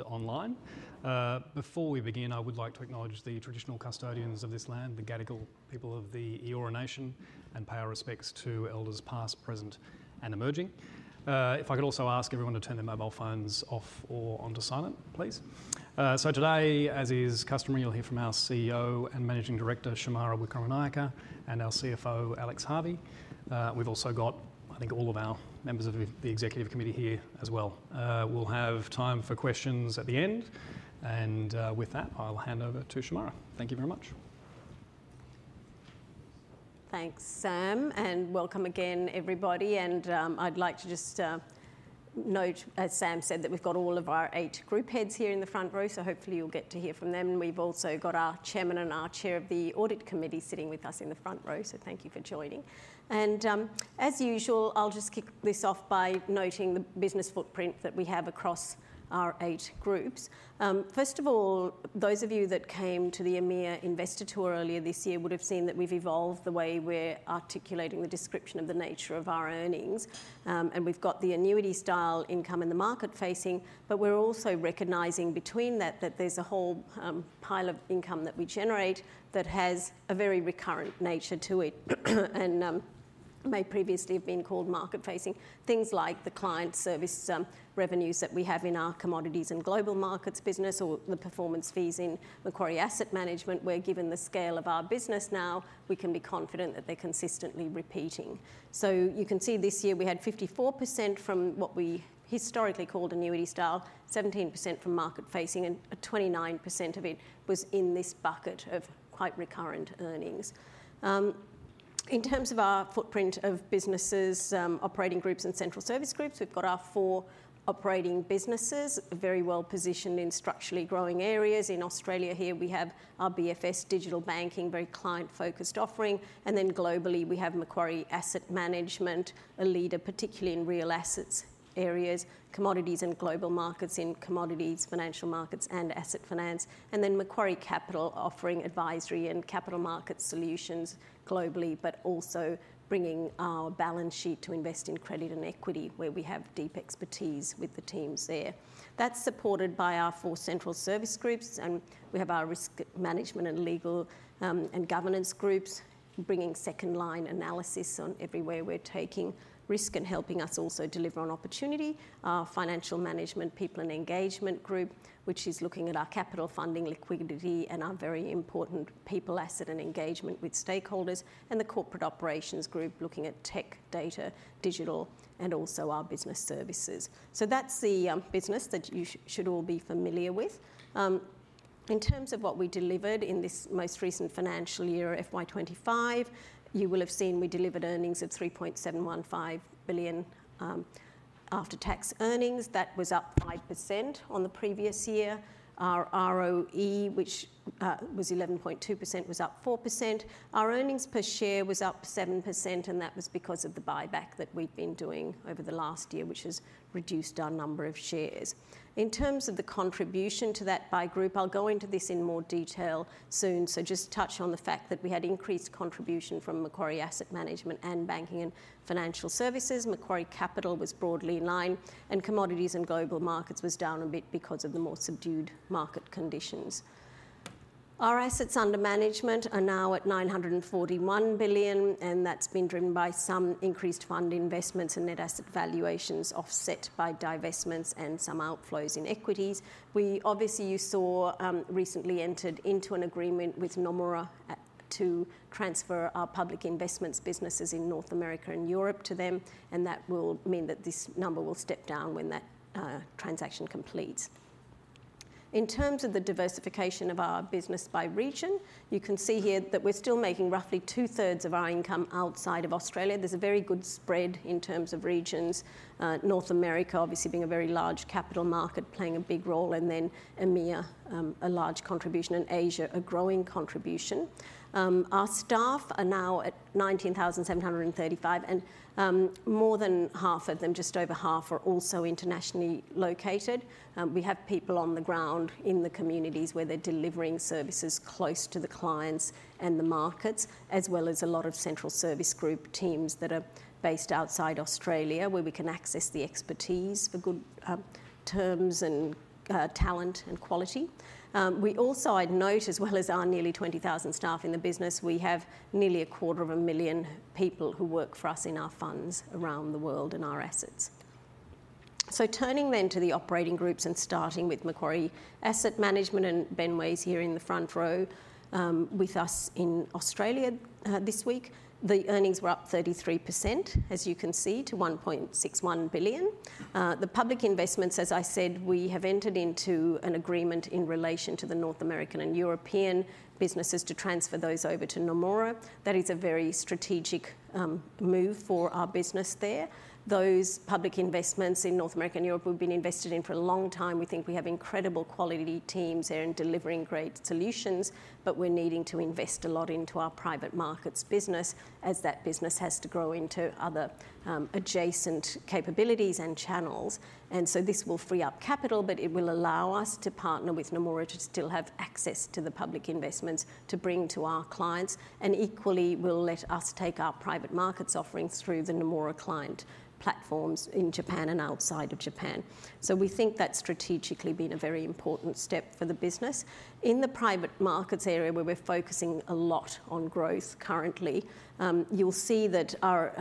And online. Before we begin, I would like to acknowledge the traditional custodians of this land, the Gadigal people of the Eora Nation, and pay our respects to elders past, present, and emerging. If I could also ask everyone to turn their mobile phones off or on to silent, please. So today, as is customary, you'll hear from our CEO and Managing Director Shemara Wikramanayake and our CFO Alex Harvey. We've also got all of our members of the Executive Committee are here as well. We'll have time for questions at the end. With that, I will hand over to Shemara. Thank you. Thanks, Sam, and welcome again, everybody, and I'd like to just note, as Sam said, that we've got all of our eight group heads here in the front row, so hopefully you'll get to hear from them, and we've also got our chairman and our chair of the Audit Committee sitting with us in the front row, so thank you for joining, and as usual, I'll just kick this off by noting the business footprint that we have across our eight groups. First of all, those of you that came to the EMEA Investor Tour earlier this year would have seen that we've evolved the way we're articulating the description of the nature of our earnings, and we've got the annuity-style income and the market-facing, but we're also recognizing between that that there's a whole pile of income that we generate that has a very recurrent nature to it. It may previously have been called market-facing. Things like the client service revenues that we have in our commodities and global markets business, or the performance fees in Macquarie Asset Management, where given the scale of our business now, we can be confident that they're consistently repeating. So you can see this year we had 54% from what we historically called annuity-style, 17% from market-facing, and 29% of it was in this bucket of quite recurrent earnings. In terms of our footprint of businesses, operating groups and central service groups, we've got our four operating businesses very well positioned in structurally growing areas. In Australia here, we have our BFS Digital Banking, very client-focused offering. And then globally, we have Macquarie Asset Management, a leader, particularly in real assets areas, commodities and global markets in commodities, financial markets, and asset finance. And then Macquarie Capital offering advisory and capital market solutions globally, but also bringing our balance sheet to invest in credit and equity, where we have deep expertise with the teams there. That's supported by our four central service groups, and we have our Risk Management and Legal and Governance groups bringing second-line analysis on everywhere we're taking risk and helping us also deliver on opportunity. Our Financial Management, People and Engagement Group, which is looking at our capital funding, liquidity, and our very important people, asset, and engagement with stakeholders. And the Corporate Operations Group looking at tech, data, digital, and also our business services. So that's the business that you should all be familiar with. In terms of what we delivered in this most recent financial year, FY25, you will have seen we delivered earnings of 3.715 billion, after-tax earnings. That was up 5% on the previous year. Our ROE, which was 11.2%, was up 4%. Our earnings per share was up 7%, and that was because of the buyback that we've been doing over the last year, which has reduced our number of shares. In terms of the contribution to that by group, I'll go into this in more detail soon, so just touch on the fact that we had increased contribution from Macquarie Asset Management and Banking and Financial Services. Macquarie Capital was broadly in line, and Commodities and Global Markets was down a bit because of the more subdued market conditions. Our assets under management are now at 941 billion, and that's been driven by some increased fund investments and net asset valuations offset by divestments and some outflows in equities. We obviously, you saw, recently entered into an agreement with Nomura to transfer our public investments businesses in North America and Europe to them, and that will mean that this number will step down when that transaction completes. In terms of the diversification of our business by region, you can see here that we're still making roughly two-thirds of our income outside of Australia. There's a very good spread in terms of regions, North America obviously being a very large capital market playing a big role, and then EMEA, a large contribution, and Asia a growing contribution. Our staff are now at 19,735, and more than half of them, just over half, are also internationally located. We have people on the ground in the communities where they're delivering services close to the clients and the markets, as well as a lot of central service group teams that are based outside Australia, where we can access the expertise for good terms and talent and quality. We also, I'd note, as well as our nearly 20,000 staff in the business, we have nearly a quarter of a million people who work for us in our funds around the world and our assets. Turning then to the operating groups and starting with Macquarie Asset Management and Ben Way's here in the front row, with us in Australia this week, the earnings were up 33%, as you can see, to 1.61 billion. The public investments, as I said, we have entered into an agreement in relation to the North American and European businesses to transfer those over to Nomura. That is a very strategic move for our business there. Those public investments in North America and Europe have been invested in for a long time. We think we have incredible quality teams there and delivering great solutions, but we're needing to invest a lot into our private markets business as that business has to grow into other adjacent capabilities and channels. And so this will free up capital, but it will allow us to partner with Nomura to still have access to the public investments to bring to our clients. And equally, it will let us take our private markets offerings through the Nomura client platforms in Japan and outside of Japan. So we think that's strategically been a very important step for the business. In the private markets area, where we're focusing a lot on growth currently, you'll see that our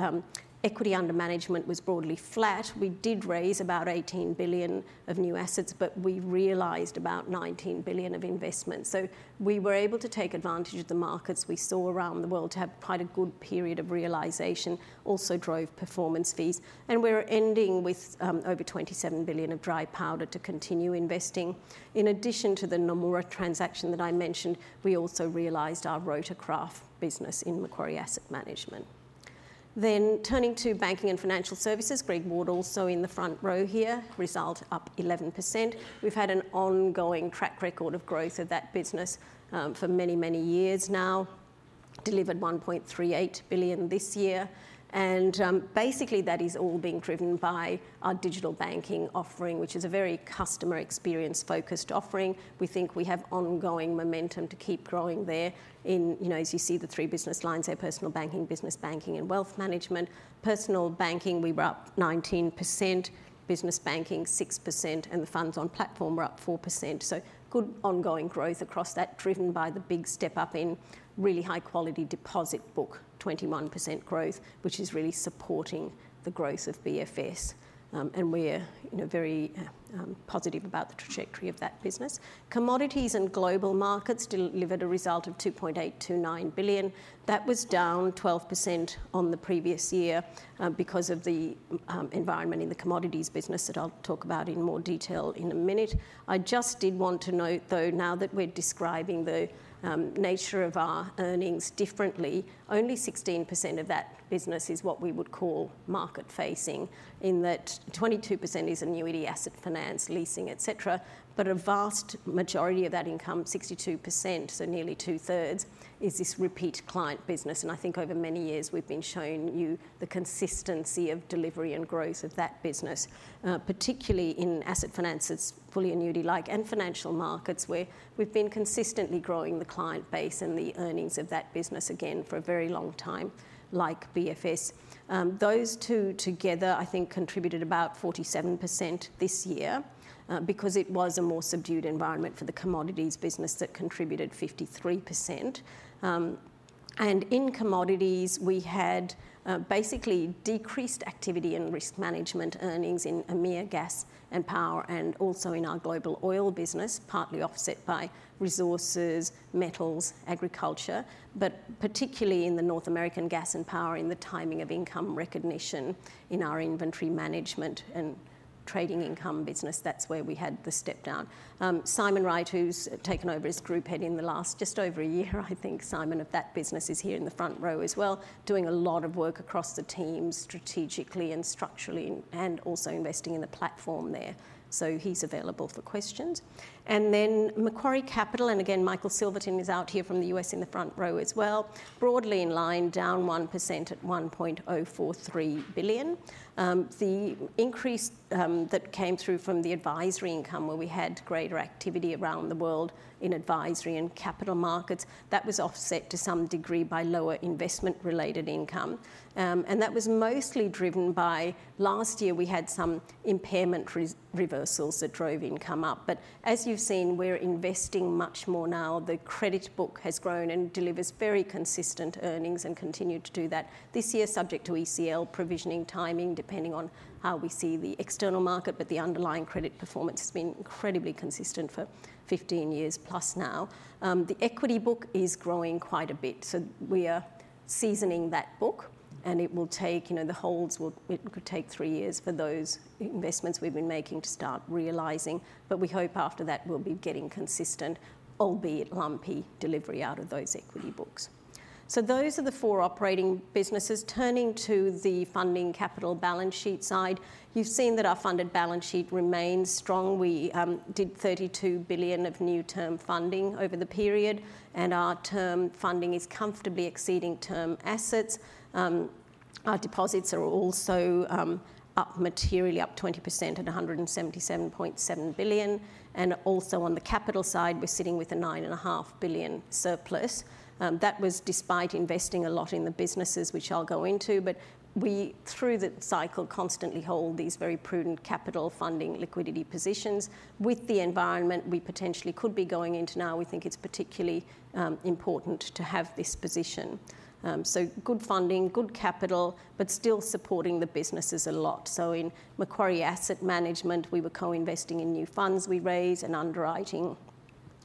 equity under management was broadly flat. We did raise about 18 billion of new assets, but we realized about 19 billion of investments. So we were able to take advantage of the markets we saw around the world to have quite a good period of realization, also drove performance fees. And we're ending with over 27 billion of dry powder to continue investing. In addition to the Nomura transaction that I mentioned, we also realized our Rotorcraft business in Macquarie Asset Management. Then turning to Banking and Financial Services, Greg Ward also in the front row here, result up 11%. We've had an ongoing track record of growth of that business, for many, many years now, delivered 1.38 billion this year. And basically that is all being driven by our digital banking offering, which is a very customer experience-focused offering. We think we have ongoing momentum to keep growing there in, you know, as you see the three business lines there, Personal Banking, Business Banking, and Wealth Management. Personal Banking, we were up 19%, Business Banking 6%, and the funds on platform were up 4%. So good ongoing growth across that, driven by the big step up in really high-quality deposit book, 21% growth, which is really supporting the growth of BFS. And we're, you know, very positive about the trajectory of that business. Commodities and Global Markets delivered a result of 2.829 billion. That was down 12% on the previous year, because of the environment in the commodities business that I'll talk about in more detail in a minute. I just did want to note, though, now that we're describing the nature of our earnings differently, only 16% of that business is what we would call market-facing, in that 22% is annuity asset finance, leasing, etc. But a vast majority of that income, 62%, so nearly two-thirds, is this repeat client business. And I think over many years we've been showing you the consistency of delivery and growth of that business, particularly in asset finances, fully annuity-like, and financial markets, where we've been consistently growing the client base and the earnings of that business again for a very long time, like BFS. Those two together, I think, contributed about 47% this year, because it was a more subdued environment for the commodities business that contributed 53%. And in commodities, we had basically decreased activity in risk management earnings in EMEA, gas and power, and also in our global oil business, partly offset by resources, metals, agriculture, but particularly in the North American gas and power in the timing of income recognition in our inventory management and trading income business. That's where we had the step down. Simon Wright, who's taken over as group head in the last just over a year, I think, Simon, of that business is here in the front row as well, doing a lot of work across the team strategically and structurally and also investing in the platform there. So he's available for questions. And then Macquarie Capital, and again, Michael Silverton is out here from the U.S. in the front row as well, broadly in line, down 1% at 1.043 billion. The increase that came through from the advisory income, where we had greater activity around the world in advisory and capital markets, was offset to some degree by lower investment-related income. That was mostly driven by last year we had some impairment reversals that drove income up. But as you've seen, we're investing much more now. The credit book has grown and delivers very consistent earnings and continued to do that this year, subject to ECL provisioning timing, depending on how we see the external market, but the underlying credit performance has been incredibly consistent for 15 years plus now. The equity book is growing quite a bit, so we are seasoning that book, and it will take, you know, it could take three years for those investments we've been making to start realizing. We hope after that we'll be getting consistent, albeit lumpy delivery out of those equity books. Those are the four operating businesses. Turning to the funding capital balance sheet side, you've seen that our funded balance sheet remains strong. We did 32 billion of new term funding over the period, and our term funding is comfortably exceeding term assets. Our deposits are also up materially, up 20% at 177.7 billion. Also on the capital side, we're sitting with a 9.5 billion surplus. That was despite investing a lot in the businesses, which I'll go into. We through the cycle constantly hold these very prudent capital funding liquidity positions. With the environment we potentially could be going into now, we think it's particularly important to have this position. Good funding, good capital, but still supporting the businesses a lot. So in Macquarie Asset Management, we were co-investing in new funds we raised and underwriting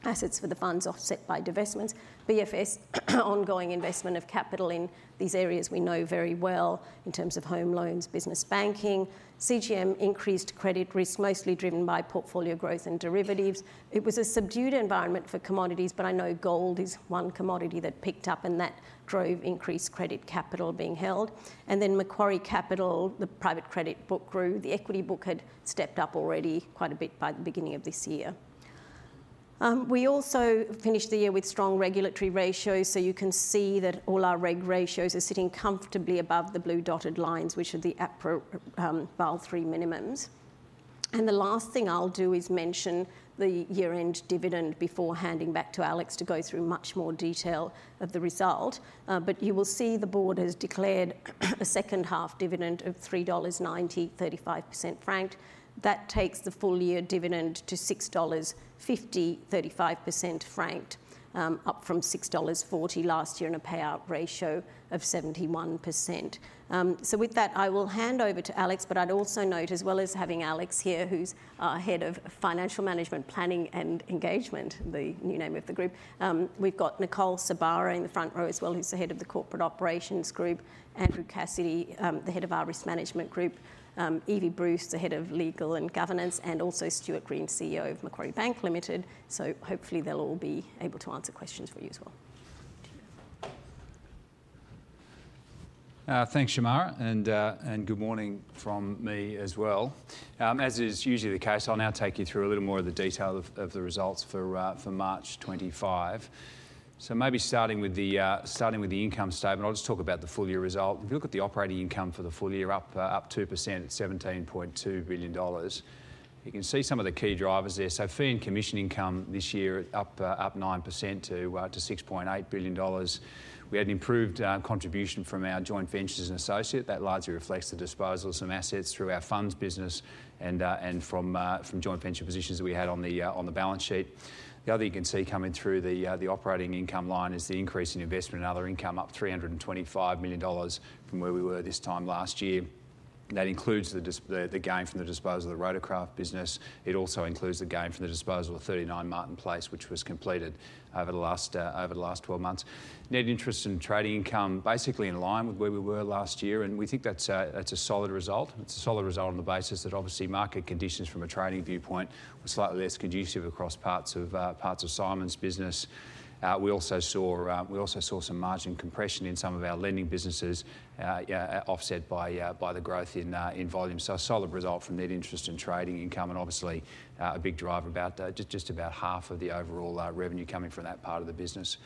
assets for the funds offset by divestments. BFS, ongoing investment of capital in these areas we know very well in terms of home loans, business banking. CGM, increased credit risk, mostly driven by portfolio growth and derivatives. It was a subdued environment for commodities, but I know gold is one commodity that picked up, and that drove increased credit capital being held. And then Macquarie Capital, the private credit book grew. The equity book had stepped up already quite a bit by the beginning of this year. We also finished the year with strong regulatory ratios, so you can see that all our reg ratios are sitting comfortably above the blue dotted lines, which are the APRA Basel III minimums. The last thing I'll do is mention the year-end dividend before handing back to Alex to go through much more detail of the result. But you will see the board has declared a second half dividend of 3.90 dollars, 35% franked. That takes the full year dividend to 6.50 dollars, 35% franked, up from 6.40 dollars last year and a payout ratio of 71%. With that, I will hand over to Alex, but I'd also note, as well as having Alex here, who's our head of financial management, planning and engagement, the new name of the group, we've got Nicole Sorbara in the front row as well, who's the head of the corporate operations group, Andrew Cassidy, the head of our risk management group, Evie Bruce, the head of legal and governance, and also Stuart Green, CEO of Macquarie Bank Limited. So hopefully they'll all be able to answer questions for you as well. Thanks, Shemara, and good morning from me as well. As is usually the case, I'll now take you through a little more of the detail of the results for March 25. Maybe starting with the income statement, I'll just talk about the full year result. If you look at the operating income for the full year, up 2% at 17.2 billion dollars. You can see some of the key drivers there. Fee and commission income this year up 9% to 6.8 billion dollars. We had an improved contribution from our joint ventures and associate. That largely reflects the disposal of some assets through our funds business and from joint venture positions that we had on the balance sheet. The other you can see coming through the operating income line is the increase in investment and other income, up 325 million dollars from where we were this time last year. That includes the gain from the disposal of the Rotorcraft business. It also includes the gain from the disposal of 39 Martin Place, which was completed over the last 12 months. Net interest and trading income basically in line with where we were last year, and we think that's a solid result. It's a solid result on the basis that obviously market conditions from a trading viewpoint were slightly less conducive across parts of Simon's business. We also saw some margin compression in some of our lending businesses, offset by the growth in volume. A solid result from net interest and trading income and obviously a big driver about just about half of the overall revenue coming from that part of the business.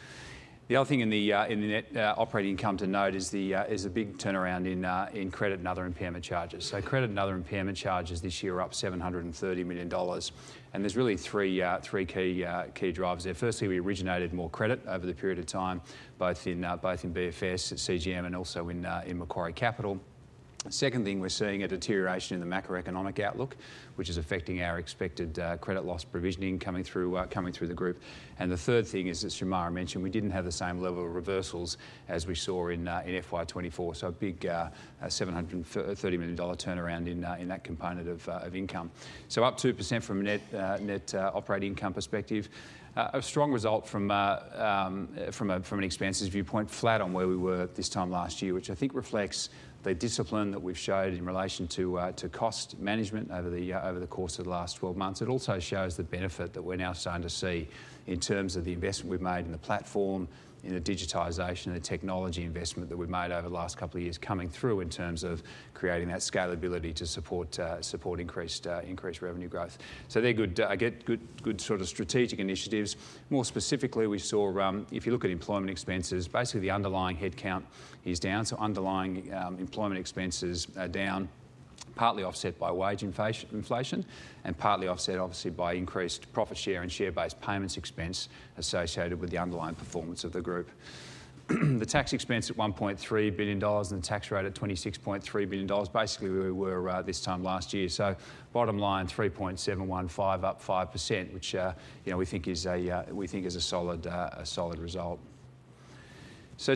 The other thing in the net operating income to note is a big turnaround in credit and other impairment charges. Credit and other impairment charges this year are up 730 million dollars. And there's really three key drivers there. Firstly, we originated more credit over the period of time, both in BFS, CGM, and also in Macquarie Capital. Second thing, we're seeing a deterioration in the macroeconomic outlook, which is affecting our expected credit loss provisioning coming through the group. And the third thing is, as Shemara mentioned, we didn't have the same level of reversals as we saw in FY 24. So, a big 730 million dollar turnaround in that component of income. So up 2% from net operating income perspective. A strong result from an expenses viewpoint, flat on where we were this time last year, which I think reflects the discipline that we've showed in relation to cost management over the course of the last 12 months. It also shows te benefit that we're now starting to see in terms of the investment we've made in the platform, in the digitization, and the technology investment that we've made over the last couple of years coming through in terms of creating that scalability to support increased revenue growth. So they're good, good sort of strategic initiatives. More specifically, we saw, if you look at employment expenses, basically the underlying headcount is down. Underlying employment expenses are down, partly offset by wage inflation and partly offset obviously by increased profit share and share-based payments expense associated with the underlying performance of the group. The tax expense at $1.3 billion and the tax rate at 26.3%, basically where we were this time last year. Bottom line $3.715, up 5%, which, you know, we think is a, we think is a solid, a solid result.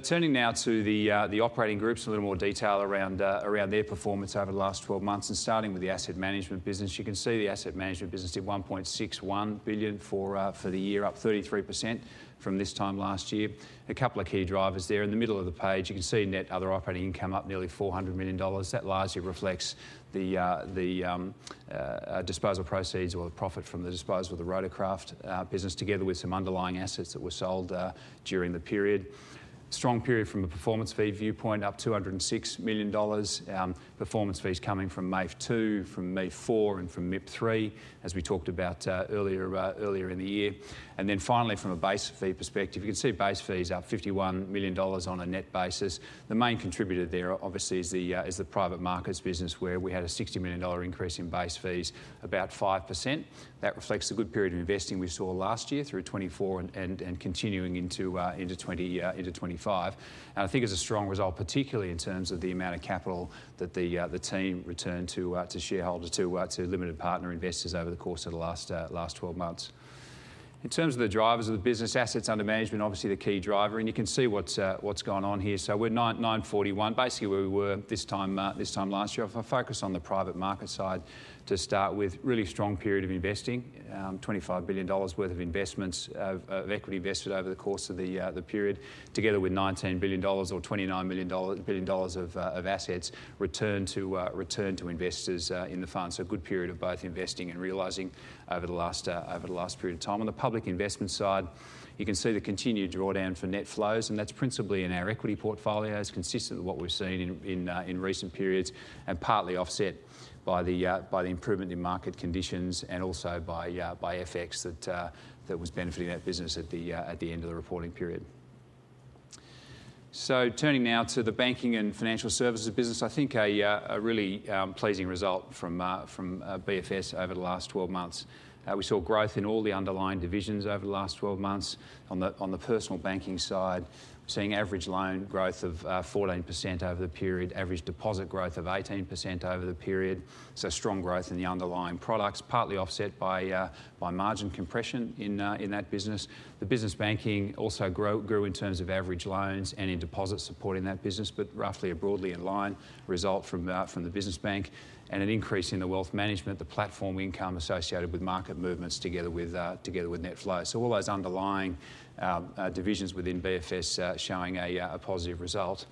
Turning now to the operating groups, a little more detail around their performance over the last 12 months. Starting with the asset management business, you can see the asset management business did $1.61 billion for the year, up 33% from this time last year. A couple of key drivers there. In the middle of the page, you can see net other operating income up nearly $400 million. That largely reflects the disposal proceeds or the profit from the disposal of the Rotorcraft business together with some underlying assets that were sold during the period. Strong period from a performance fee viewpoint, up $206 million, performance fees coming from MEIF2, from MEIF4, and from MIP III, as we talked about earlier in the year. Then finally, from a base fee perspective, you can see base fees up $51 million on a net basis. The main contributor there obviously is the private markets business where we had a $60 million increase in base fees, about 5%. That reflects the good period of investing we saw last year through 2024 and continuing into 2025. I think it's a strong result, particularly in terms of the amount of capital that the team returned to shareholders, to limited partner investors over the course of the last 12 months. In terms of the drivers of the business, assets under management, obviously the key driver, and you can see what's gone on here. So we're 9,941, basically where we were this time last year. If I focus on the private market side to start with, really strong period of investing, 25 billion dollars worth of investments, of equity invested over the course of the period, together with 19 billion dollars or 29 billion dollars of assets returned to investors, in the fund. So a good period of both investing and realizing over the last period of time. On the public investment side, you can see the continued drawdown for net flows, and that's principally in our equity portfolios, consistent with what we've seen in recent periods, and partly offset by the improvement in market conditions and also by FX that was benefiting that business at the end of the reporting period. So turning now to the Banking and Financial Services business, I think a really pleasing result from BFS over the last 12 months. We saw growth in all the underlying divisions over the last 12 months. On the personal banking side, we're seeing average loan growth of 14% over the period, average deposit growth of 18% over the period. So strong growth in the underlying products, partly offset by margin compression in that business. The business banking also grew in terms of average loans and in deposit supporting that business, but roughly broadly in line result from the business bank and an increase in the wealth management, the platform income associated with market movements together with net flow. So all those underlying divisions within BFS showing a positive result.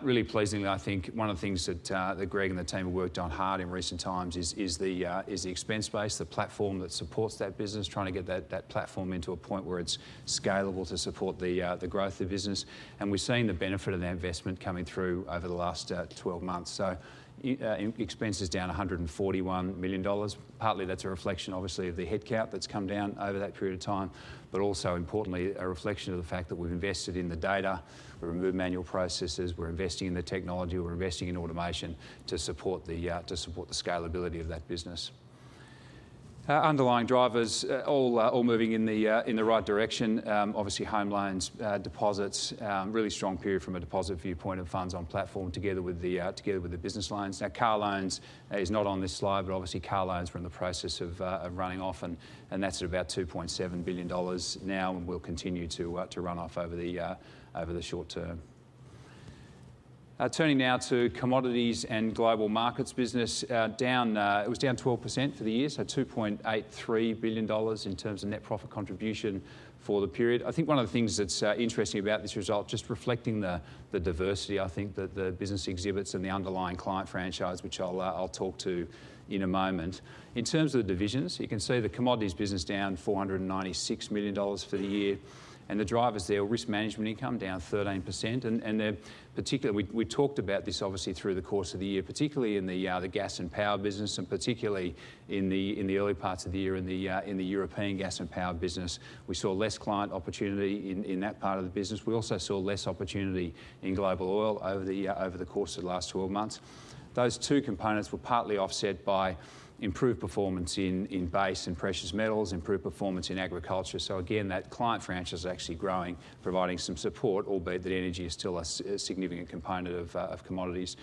Really pleasingly, I think one of the things that Greg and the team have worked on hard in recent times is the expense base, the platform that supports that business, trying to get that platform into a point where it's scalable to support the growth of the business. We've seen the benefit of that investment coming through over the last 12 months. So expenses down 141 million dollars. Partly that's a reflection obviously of the headcount that's come down over that period of time, but also importantly, a reflection of the fact that we've invested in the data. We remove manual processes. We're investing in the technology. We're investing in automation to support the scalability of that business. Underlying drivers, all moving in the right direction. Obviously home loans, deposits, really strong period from a deposit viewpoint of funds on platform together with the business loans. Now, car loans is not on this slide, but obviously car loans were in the process of running off and that's at about 2.7 billion dollars now and will continue to run off over the short term. Turning now to Commodities and Global Markets business, down. It was down 12% for the year, so 2.83 billion dollars in terms of net profit contribution for the period. I think one of the things that's interesting about this result, just reflecting the diversity, I think, that the business exhibits and the underlying client franchise, which I'll talk to in a moment. In terms of the divisions, you can see the commodities business down 496 million dollars for the year. The drivers there, risk management income down 13%. They're particularly. We talked about this obviously through the course of the year, particularly in the gas and power business and particularly in the early parts of the year in the European gas and power business. We saw less client opportunity in that part of the business. We also saw less opportunity in global oil over the course of the last 12 months. Those two components were partly offset by improved performance in base and precious metals, improved performance in agriculture. So again, that client franchise is actually growing, providing some support, albeit that energy is still a significant component of commodities.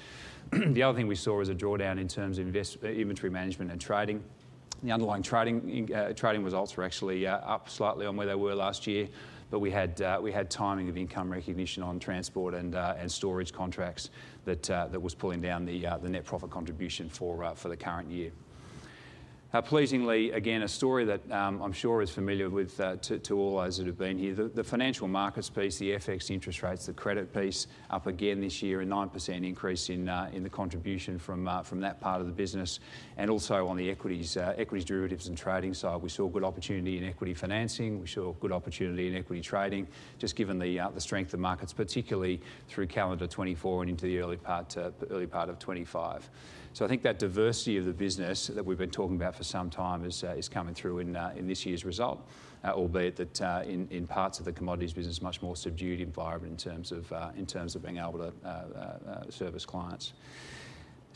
The other thing we saw is a drawdown in terms of investment inventory management and trading. The underlying trading results were actually up slightly on where they were last year, but we had timing of income recognition on transport and storage contracts that was pulling down the net profit contribution for the current year. Pleasingly, again, a story that I'm sure is familiar to all those that have been here. The financial markets piece, the FX interest rates, the credit piece up again this year and 9% increase in the contribution from that part of the business. Also on the equities derivatives and trading side, we saw good opportunity in equity financing. We saw good opportunity in equity trading, just given the strength of markets, particularly through calendar 2024 and into the early part of 2025. I think that diversity of the business that we've been talking about for some time is coming through in this year's result, albeit that in parts of the commodities business, much more subdued environment in terms of being able to service clients.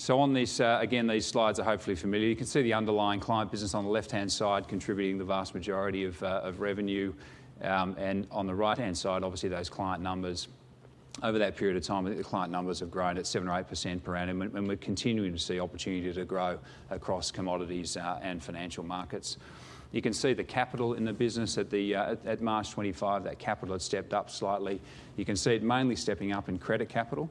On these, again, these slides are hopefully familiar. You can see the underlying client business on the left-hand side contributing the vast majority of revenue. And on the right-hand side, obviously those client numbers over that period of time, the client numbers have grown at 7% or 8% per annum. And we're continuing to see opportunity to grow across commodities, and financial markets. You can see the capital in the business at March 2025, that capital had stepped up slightly. You can see it mainly stepping up in credit capital.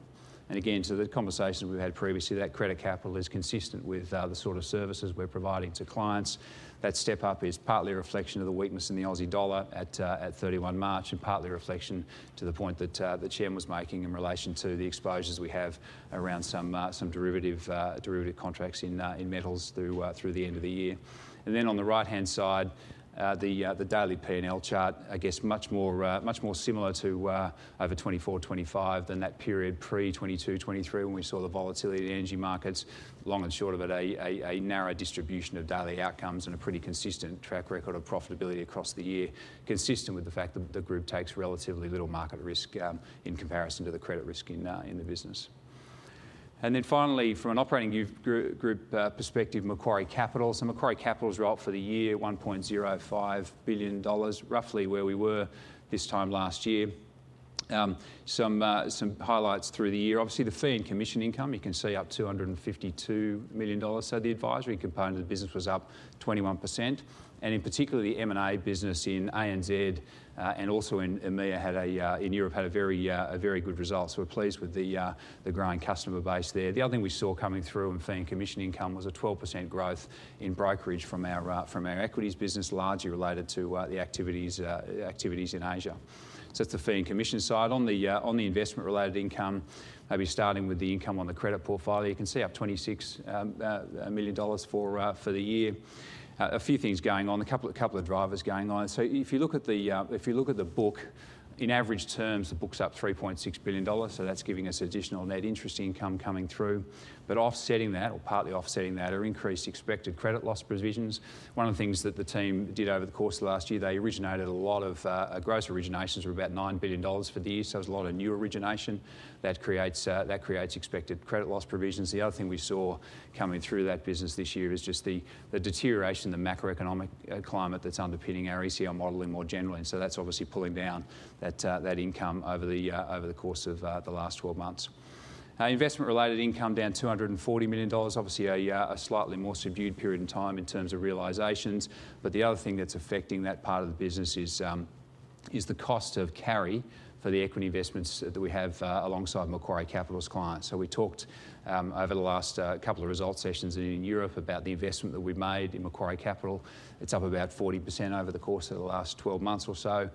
And again, to the conversation we've had previously, that credit capital is consistent with the sort of services we're providing to clients. That step up is partly a reflection of the weakness in the Aussie dollar at 31 March and partly a reflection to the point that Shem was making in relation to the exposures we have around some derivative contracts in metals through the end of the year. And then on the right-hand side, the daily P&L chart, I guess, much more similar to over 2024, 2025 than that period pre-2022, 2023 when we saw the volatility of energy markets. Long and short of it, a narrow distribution of daily outcomes and a pretty consistent track record of profitability across the year, consistent with the fact that the group takes relatively little market risk, in comparison to the credit risk in the business. And then finally, from an operating group perspective, Macquarie Capital. So Macquarie Capital's result for the year, 1.05 billion dollars, roughly where we were this time last year. Highlights through the year. Obviously the fee and commission income, you can see up 252 million dollars. So the advisory component of the business was up 21%. In particular, the M&A business in ANZ, and also in EMEA had a very good result. We're pleased with the growing customer base there. The other thing we saw coming through in fee and commission income was a 12% growth in brokerage from our equities business, largely related to the activities in Asia. That's the fee and commission side. On the investment-related income, maybe starting with the income on the credit portfolio, you can see up 26 million dollars for the year. A few things going on, a couple of drivers going on. If you look at the book, in average terms, the book's up 3.6 billion dollars. That's giving us additional net interest income coming through. But offsetting that, or partly offsetting that, are increased expected credit loss provisions. One of the things that the team did over the course of last year, they originated a lot of gross originations, about 9 billion dollars for the year. So there's a lot of new origination that creates, that creates expected credit loss provisions. The other thing we saw coming through that business this year is just the deterioration in the macroeconomic climate that's underpinning our ECL modeling more generally. And so that's obviously pulling down that income over the course of the last 12 months. Investment-related income down 240 million dollars. Obviously a slightly more subdued period in time in terms of realizations. But the other thing that's affecting that part of the business is the cost of carry for the equity investments that we have, alongside Macquarie Capital's clients. We talked over the last couple of results sessions in Europe about the investment that we've made in Macquarie Capital. It's up about 40% over the course of the last 12 months or so.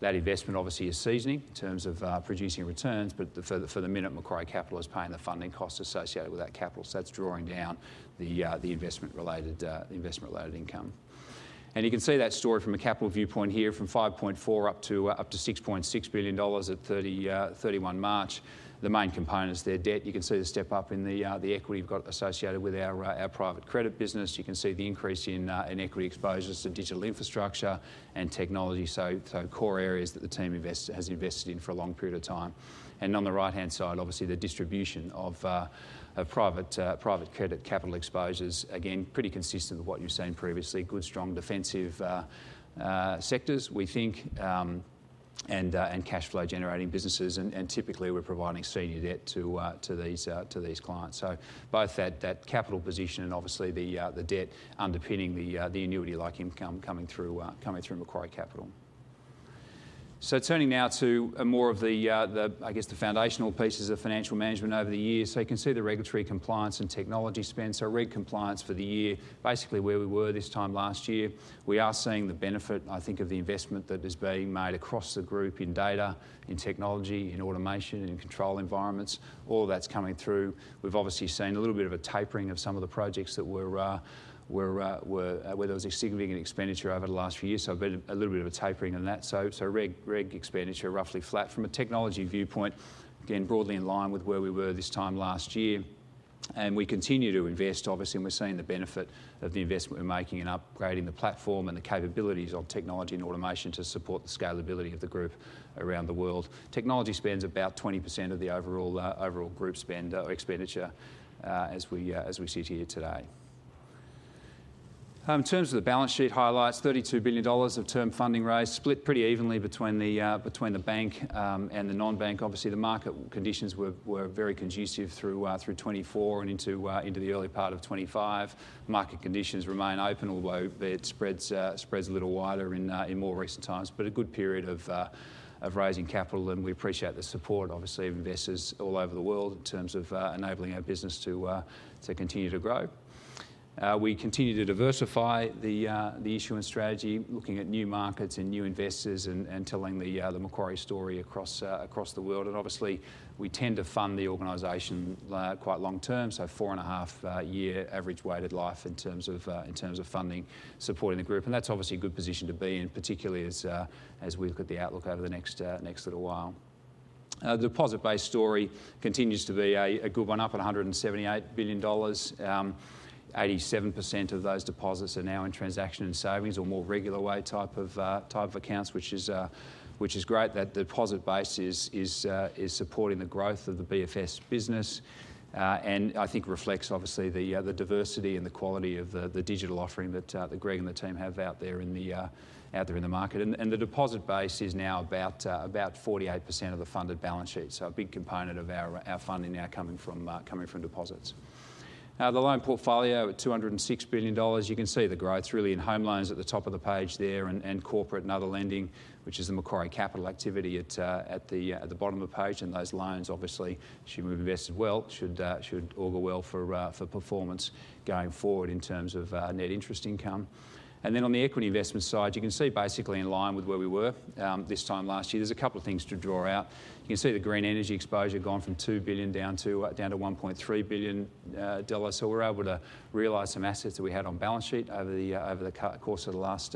That investment obviously is seasoning in terms of producing returns, but for the minute, Macquarie Capital is paying the funding costs associated with that capital. That's drawing down the investment-related income. You can see that story from a capital viewpoint here from $5.4 billion-$6.6 billion at 31 March. The main component is their debt. You can see the step up in the equity we've got associated with our private credit business. You can see the increase in equity exposures to digital infrastructure and technology. Core areas that the team has invested in for a long period of time. And on the right-hand side, obviously the distribution of private credit capital exposures. Again, pretty consistent with what you've seen previously. Good, strong defensive sectors, we think, and cash flow generating businesses. And typically we're providing senior debt to these clients. So both that capital position and obviously the debt underpinning the annuity-like income coming through Macquarie Capital. Turning now to more of the, I guess, the foundational pieces of financial management over the year. You can see the regulatory compliance and technology spend. Regulatory compliance for the year, basically where we were this time last year. We are seeing the benefit, I think, of the investment that is being made across the group in data, in technology, in automation, in control environments. All of that's coming through. We've obviously seen a little bit of a tapering of some of the projects that were where there was a significant expenditure over the last few years. So a bit, a little bit of a tapering in that. So REG expenditure roughly flat from a technology viewpoint. Again, broadly in line with where we were this time last year. We continue to invest, obviously, and we're seeing the benefit of the investment we're making in upgrading the platform and the capabilities of technology and automation to support the scalability of the group around the world. Technology spends about 20% of the overall group spend or expenditure, as we sit here today. In terms of the balance sheet highlights, $32 billion of term funding raised, split pretty evenly between the bank and the non-bank. Obviously, the market conditions were very conducive through 2024 and into the early part of 2025. Market conditions remain open, although it spreads a little wider in more recent times. But a good period of raising capital. And we appreciate the support, obviously, of investors all over the world in terms of enabling our business to continue to grow. We continue to diversify the issuance strategy, looking at new markets and new investors and telling the Macquarie story across the world. And obviously, we tend to fund the organization quite long term. So four-and-a-half-year average weighted life in terms of funding supporting the group. That's obviously a good position to be in, particularly as we look at the outlook over the next little while. The deposit-based story continues to be a good one, up at 178 billion dollars. 87% of those deposits are now in transaction and savings or more regular way type of accounts, which is great that the deposit base is supporting the growth of the BFS business, and I think reflects obviously the diversity and the quality of the digital offering that Greg and the team have out there in the market. The deposit base is now about 48% of the funded balance sheet. So a big component of our funding now coming from deposits. The loan portfolio at 206 billion dollars. You can see the growth really in home loans at the top of the page there and corporate and other lending, which is the Macquarie Capital activity at the bottom of the page. And those loans obviously should move invested well, should augur well for performance going forward in terms of net interest income. And then on the equity investment side, you can see basically in line with where we were this time last year. There's a couple of things to draw out. You can see the green energy exposure gone from 2 billion down to 1.3 billion dollars. So we're able to realize some assets that we had on balance sheet over the course of the last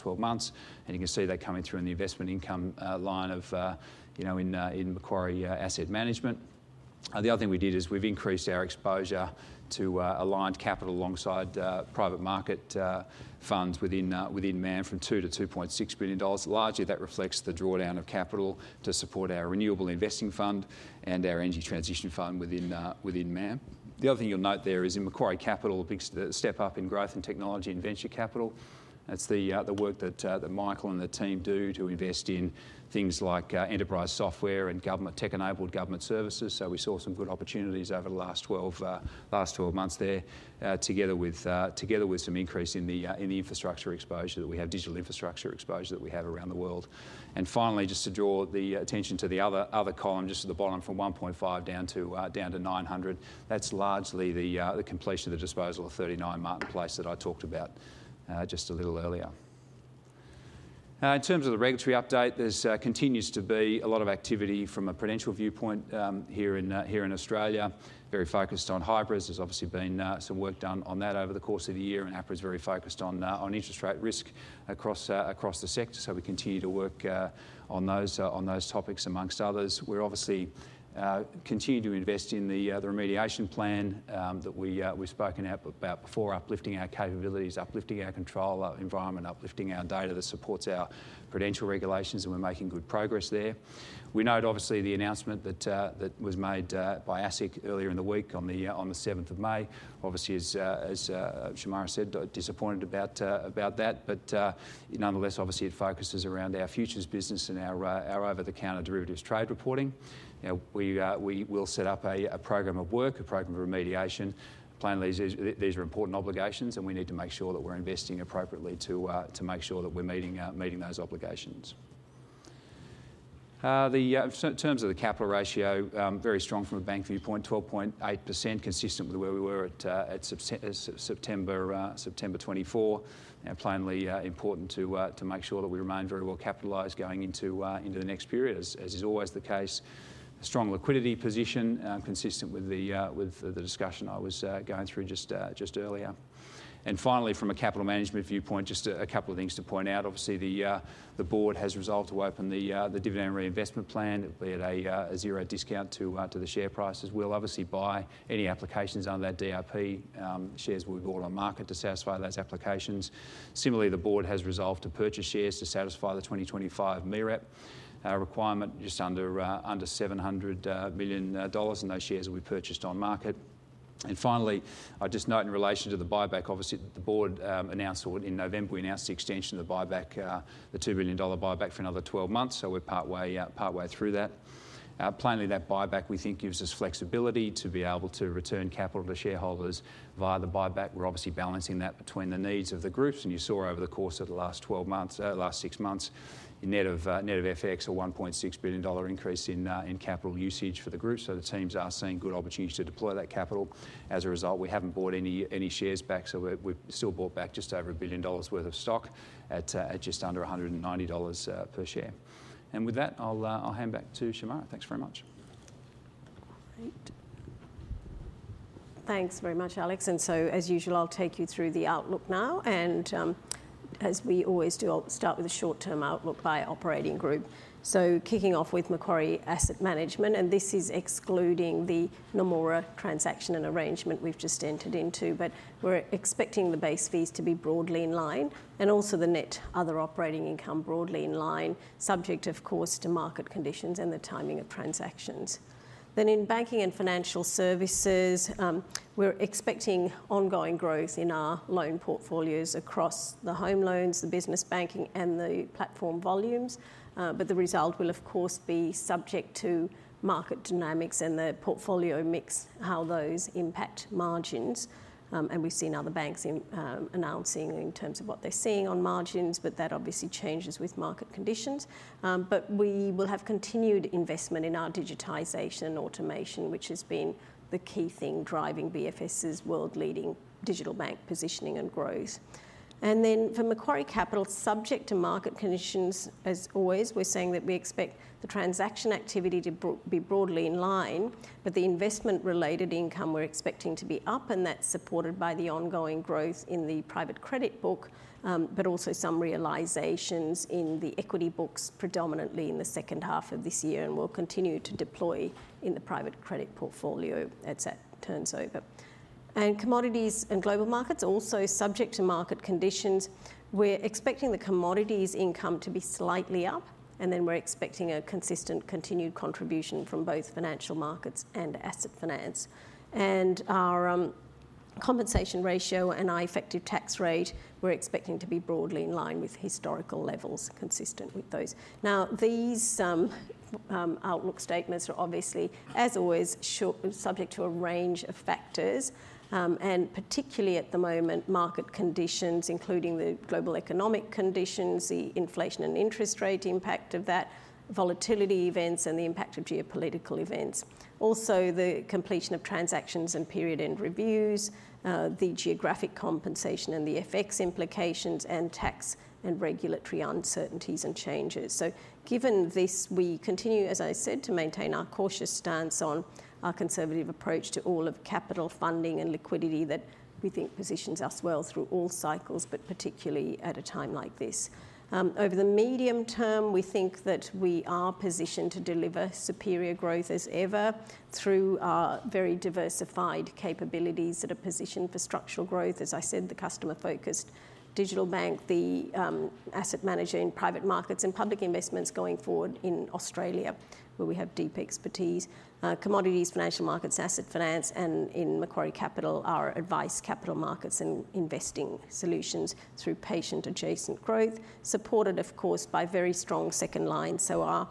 12 months. You can see that coming through in the investment income line, you know, in Macquarie Asset Management. The other thing we did is we've increased our exposure to aligned capital alongside private market funds within MAM from $2-$2.6 billion. Largely that reflects the drawdown of capital to support our renewable investing fund and our energy transition fund within MAM. The other thing you'll note there is in Macquarie Capital a big step up in growth in technology and venture capital. That's the work that Michael and the team do to invest in things like enterprise software and government tech-enabled government services. So we saw some good opportunities over the last 12 months there, together with some increase in the digital infrastructure exposure that we have around the world. And finally, just to draw the attention to the other column just at the bottom from 1.5 down to 900. That's largely the completion of the disposal of 39 Martin Place that I talked about just a little earlier. In terms of the regulatory update, there continues to be a lot of activity from a prudential viewpoint here in Australia. Very focused on hybrids. There's obviously been some work done on that over the course of the year. And APRA is very focused on interest rate risk across the sector. So we continue to work on those topics amongst others. We're obviously continue to invest in the remediation plan that we've spoken about before, uplifting our capabilities, uplifting our control environment, uplifting our data that supports our prudential regulations. And we're making good progress there. We note obviously the announcement that was made by ASIC earlier in the week on the 7th of May. Obviously as Shemara said, disappointed about that. But nonetheless, obviously it focuses around our futures business and our over-the-counter derivatives trade reporting. Now we will set up a program of remediation. Plainly these are important obligations and we need to make sure that we're investing appropriately to make sure that we're meeting those obligations. In terms of the capital ratio, very strong from a bank viewpoint, 12.8% consistent with where we were at September 2024. Plainly, important to make sure that we remain very well capitalized going into the next period as is always the case. Strong liquidity position, consistent with the discussion I was going through just earlier. Finally, from a capital management viewpoint, just a couple of things to point out. Obviously the board has resolved to open the dividend reinvestment plan, being a zero discount to the share price. We'll obviously buy any applications under that DRP, shares we buy on market to satisfy those applications. Similarly, the board has resolved to purchase shares to satisfy the 2025 MEREP requirement just under 700 million dollars. And those shares will be purchased on market. Finally, I'll just note in relation to the buyback. Obviously the board announced in November, we announced the extension of the buyback, the 2 billion dollar buyback for another 12 months. So we're partway through that. Plainly, that buyback we think gives us flexibility to be able to return capital to shareholders via the buyback. We're obviously balancing that between the needs of the groups. You saw over the course of the last 12 months, last 6 months, a net of FX, a $1.6 billion increase in capital usage for the group. So the teams are seeing good opportunities to deploy that capital. As a result, we haven't bought any shares back. So we're still bought back just over a billion dollars worth of stock at just under $190 per share. With that, I'll hand back to Shemara. Thanks very much. Great. Thanks very much, Alex. So as usual, I'll take you through the outlook now. As we always do, I'll start with a short-term outlook by operating group. So kicking off with Macquarie Asset Management, and this is excluding the Nomura transaction and arrangement we've just entered into, but we're expecting the base fees to be broadly in line and also the net other operating income broadly in line, subject of course to market conditions and the timing of transactions. Then in banking and financial services, we're expecting ongoing growth in our loan portfolios across the home loans, the business banking, and the platform volumes, but the result will of course be subject to market dynamics and the portfolio mix, how those impact margins, and we've seen other banks, announcing in terms of what they're seeing on margins, but that obviously changes with market conditions, but we will have continued investment in our digitization and automation, which has been the key thing driving BFS's world-leading digital bank positioning and growth. And then for Macquarie Capital, subject to market conditions, as always, we're saying that we expect the transaction activity to be broadly in line, but the investment-related income we're expecting to be up, and that's supported by the ongoing growth in the private credit book, but also some realizations in the equity books predominantly in the second half of this year and will continue to deploy in the private credit portfolio as that turns over. And Commodities and Global Markets also subject to market conditions. We're expecting the commodities income to be slightly up, and then we're expecting a consistent continued contribution from both financial markets and asset finance. And our compensation ratio and our effective tax rate, we're expecting to be broadly in line with historical levels consistent with those. Now these outlook statements are obviously, as always, subject to a range of factors, and particularly at the moment, market conditions, including the global economic conditions, the inflation and interest rate impact of that, volatility events, and the impact of geopolitical events. Also the completion of transactions and period-end reviews, the geographic composition and the FX implications and tax and regulatory uncertainties and changes. So given this, we continue, as I said, to maintain our cautious stance on our conservative approach to allocation of capital, funding and liquidity that we think positions us well through all cycles, but particularly at a time like this. Over the medium term, we think that we are positioned to deliver superior growth as ever through our very diversified capabilities that are positioned for structural growth. As I said, the customer-focused digital bank, the asset manager in private markets and public investments going forward in Australia, where we have deep expertise, commodities, financial markets, asset finance, and in Macquarie Capital, our advice, capital markets, and investing solutions through patient-adjacent growth, supported of course by very strong second line. So our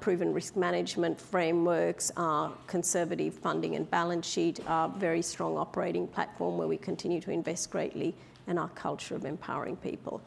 proven risk management frameworks, our conservative funding and balance sheet, our very strong operating platform where we continue to invest greatly, and our culture of empowering people.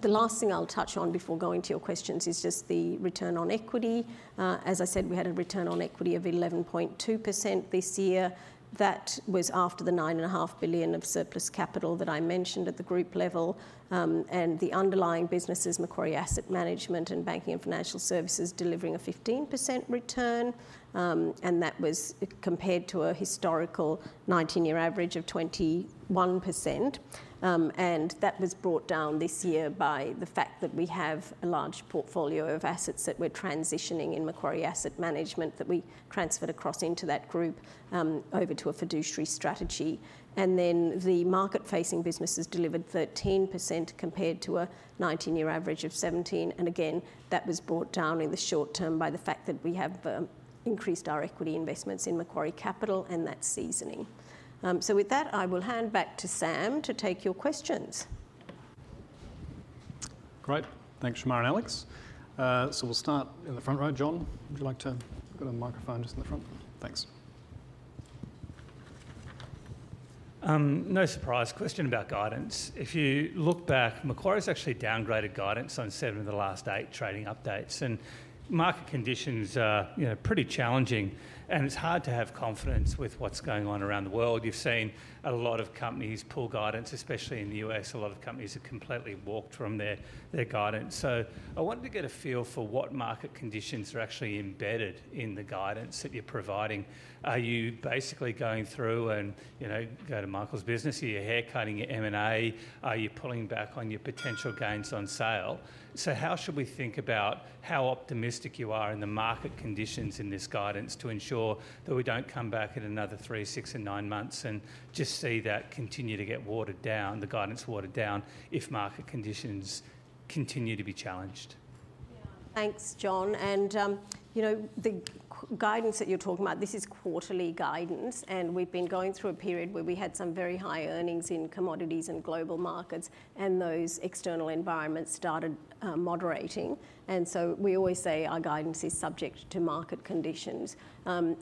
The last thing I'll touch on before going to your questions is just the return on equity. As I said, we had a return on equity of 11.2% this year. That was after the 9.5 billion of surplus capital that I mentioned at the group level, and the underlying businesses, Macquarie Asset Management and Banking and Financial Services, delivering a 15% return. And that was compared to a historical 19-year average of 21%. And that was brought down this year by the fact that we have a large portfolio of assets that we're transitioning in Macquarie Asset Management that we transferred across into that group, over to a fiduciary strategy. And then the market-facing businesses delivered 13% compared to a 19-year average of 17%. And again, that was brought down in the short term by the fact that we have increased our equity investments in Macquarie Capital and that's seasoning. So with that, I will hand back to Sam to take your questions. Great. Thanks, Shemara and Alex. So we'll start in the front row. John, would you like to? We've got a microphone just in the front. Thanks. No surprise question about guidance. If you look back, Macquarie's actually downgraded guidance on seven of the last eight trading updates. Market conditions are, you know, pretty challenging, and it's hard to have confidence with what's going on around the world. You've seen a lot of companies pull guidance, especially in the U.S. A lot of companies have completely walked from their guidance. So I wanted to get a feel for what market conditions are actually embedded in the guidance that you're providing. Are you basically going through and, you know, go to Michael's business, your haircut, your M&A? Are you pulling back on your potential gains on sale? So how should we think about how optimistic you are in the market conditions in this guidance to ensure that we don't come back in another three, six, and nine months and just see that continue to get watered down, the guidance watered down if market conditions continue to be challenged? Yeah. Thanks, John. You know, the guidance that you're talking about, this is quarterly guidance. We've been going through a period where we had some very high earnings in Commodities and Global Markets, and those external environments started moderating. We always say our guidance is subject to market conditions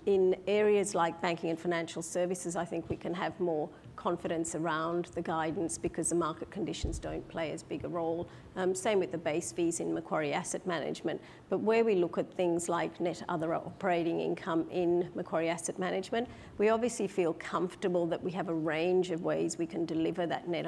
in areas like Banking and Financial Services. I think we can have more confidence around the guidance because the market conditions don't play as big a role. Same with the base fees in Macquarie Asset Management. But where we look at things like Net Other Operating Income in Macquarie Asset Management, we obviously feel comfortable that we have a range of ways we can deliver that Net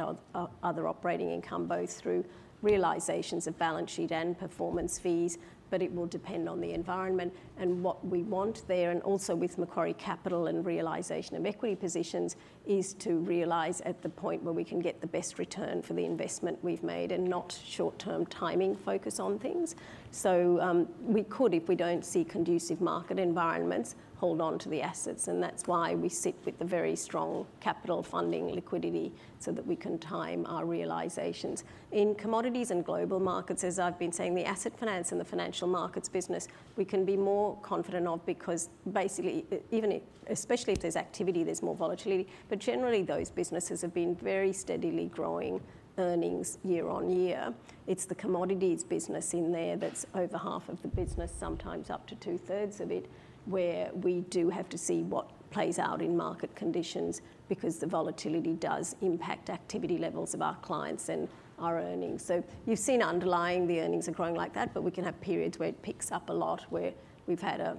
Other Operating Income, both through realizations of balance sheet and Performance Fees, but it will depend on the environment and what we want there. And also, with Macquarie Capital, realization of equity positions is to realize at the point where we can get the best return for the investment we've made and not short-term timing focus on things. So, we could, if we don't see conducive market environments, hold on to the assets. And that's why we sit with the very strong capital funding liquidity so that we can time our realizations. In Commodities and Global Markets, as I've been saying, the asset finance and the financial markets business, we can be more confident of because basically, even if, especially if there's activity, there's more volatility. But generally, those businesses have been very steadily growing earnings year on year. It's the commodities business in there that's over half of the business, sometimes up to two-thirds of it, where we do have to see what plays out in market conditions because the volatility does impact activity levels of our clients and our earnings. So you've seen underlying the earnings are growing like that, but we can have periods where it picks up a lot, where we've had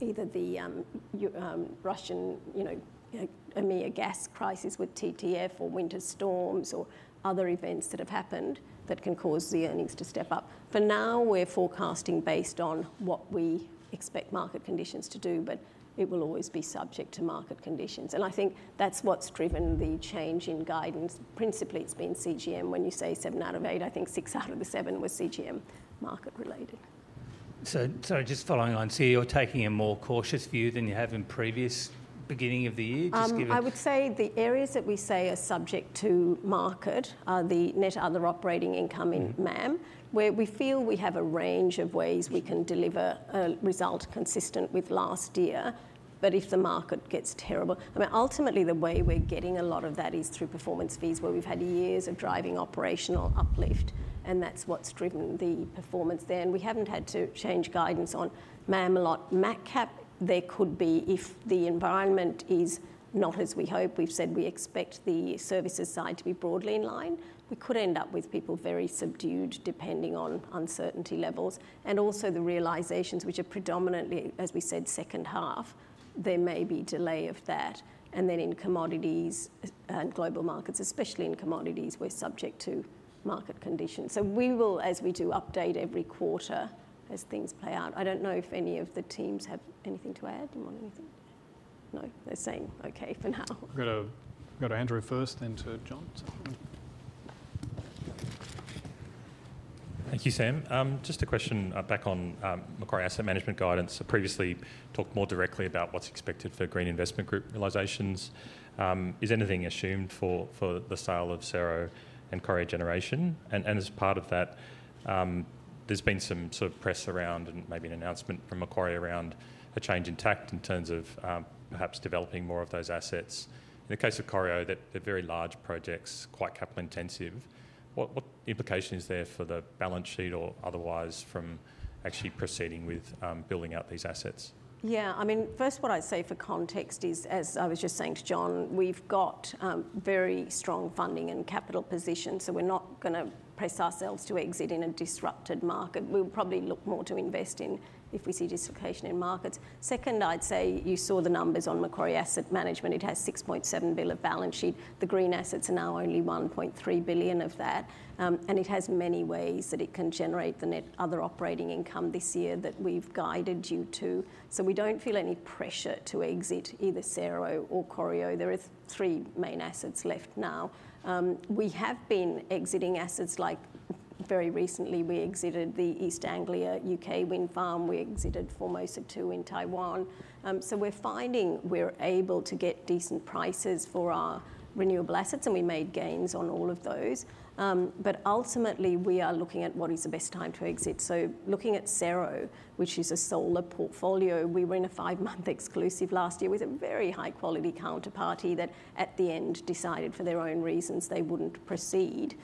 either the Ukraine, Russian, you know, war gas crisis with TTF or winter storms or other events that have happened that can cause the earnings to step up. For now, we're forecasting based on what we expect market conditions to do, but it will always be subject to market conditions, and I think that's what's driven the change in guidance. Principally, it's been CGM. When you say seven out of eight, I think six out of the seven were CGM market related. So, sorry, just following on, so you're taking a more cautious view than you have in previous beginning of the year? Just give it. I would say the areas that we say are subject to market are the net other operating income in MAM, where we feel we have a range of ways we can deliver a result consistent with last year. But if the market gets terrible, I mean, ultimately the way we're getting a lot of that is through performance fees where we've had years of driving operational uplift, and that's what's driven the performance there. And we haven't had to change guidance on MAM a lot. MacCap, there could be if the environment is not as we hope. We've said we expect the services side to be broadly in line. We could end up with people very subdued depending on uncertainty levels. And also the realizations, which are predominantly, as we said, second half, there may be delay of that. And then in commodities and global markets, especially in commodities, we're subject to market conditions. So we will, as we do, update every quarter as things play out. I don't know if any of the teams have anything to add. Do you want anything? No, they're saying okay for now. I'm going to go to Andrew first, then to John. Thank you, Sam. Just a question, back on Macquarie Asset Management guidance. I previously talked more directly about what's expected for Green Investment Group realizations. Is anything assumed for the sale of Cero Generation and Corio Generation? And as part of that, there's been some sort of press around and maybe an announcement from Macquarie around a change in tack in terms of perhaps developing more of those assets. In the case of Corio, they're very large projects, quite capital intensive. What implication is there for the balance sheet or otherwise from actually proceeding with building out these assets? Yeah, I mean, first what I'd say for context is, as I was just saying to John, we've got very strong funding and capital positions, so we're not going to press ourselves to exit in a disrupted market. We'll probably look more to invest in if we see dislocation in markets. Second, I'd say you saw the numbers on Macquarie Asset Management. It has 6.7 billion of balance sheet. The green assets are now only 1.3 billion of that, and it has many ways that it can generate the net other operating income this year that we've guided you to. So we don't feel any pressure to exit either Cero or Corio. There are three main assets left now. We have been exiting assets like very recently. We exited the East Anglia UK Wind Farm. We exited Formosa 2 in Taiwan. So we're finding we're able to get decent prices for our renewable assets, and we made gains on all of those. But ultimately we are looking at what is the best time to exit. So looking at Cero, which is a solar portfolio, we were in a five-month exclusive last year with a very high-quality counterparty that at the end decided for their own reasons they wouldn't proceed.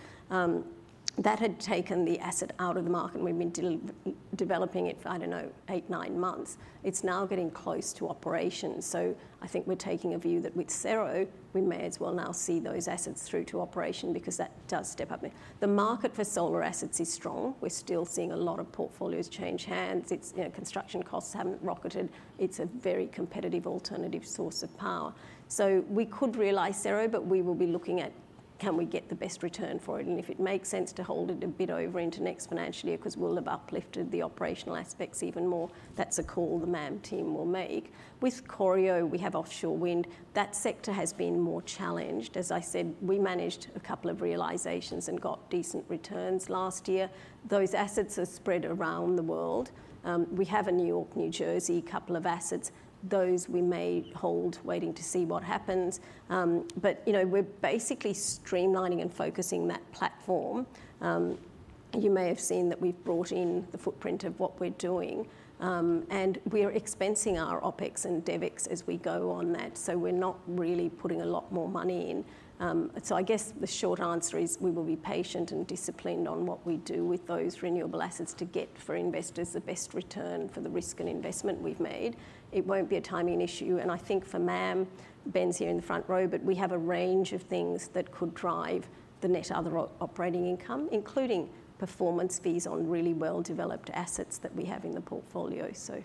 That had taken the asset out of the market, and we've been developing it for, I don't know, eight, nine months. It's now getting close to operation. So I think we're taking a view that with Cero, we may as well now see those assets through to operation because that does step up. The market for solar assets is strong. We're still seeing a lot of portfolios change hands. It's, you know, construction costs haven't rocketed. It's a very competitive alternative source of power. So we could realize Cero, but we will be looking at can we get the best return for it? And if it makes sense to hold it a bit over into next financial year because we'll have uplifted the operational aspects even more. That's a call the MAM team will make. With Corio, we have offshore wind. That sector has been more challenged. As I said, we managed a couple of realizations and got decent returns last year. Those assets are spread around the world. We have a New York, New Jersey couple of assets. Those we may hold, waiting to see what happens, but you know, we're basically streamlining and focusing that platform. You may have seen that we've brought in the footprint of what we're doing, and we are expensing our OpEx and DevEx as we go on that. So we're not really putting a lot more money in. So I guess the short answer is we will be patient and disciplined on what we do with those renewable assets to get for investors the best return for the risk and investment we've made. It won't be a timing issue. And I think for MAM, Ben's here in the front row, but we have a range of things that could drive the net other operating income, including performance fees on really well-developed assets that we have in the portfolio. So,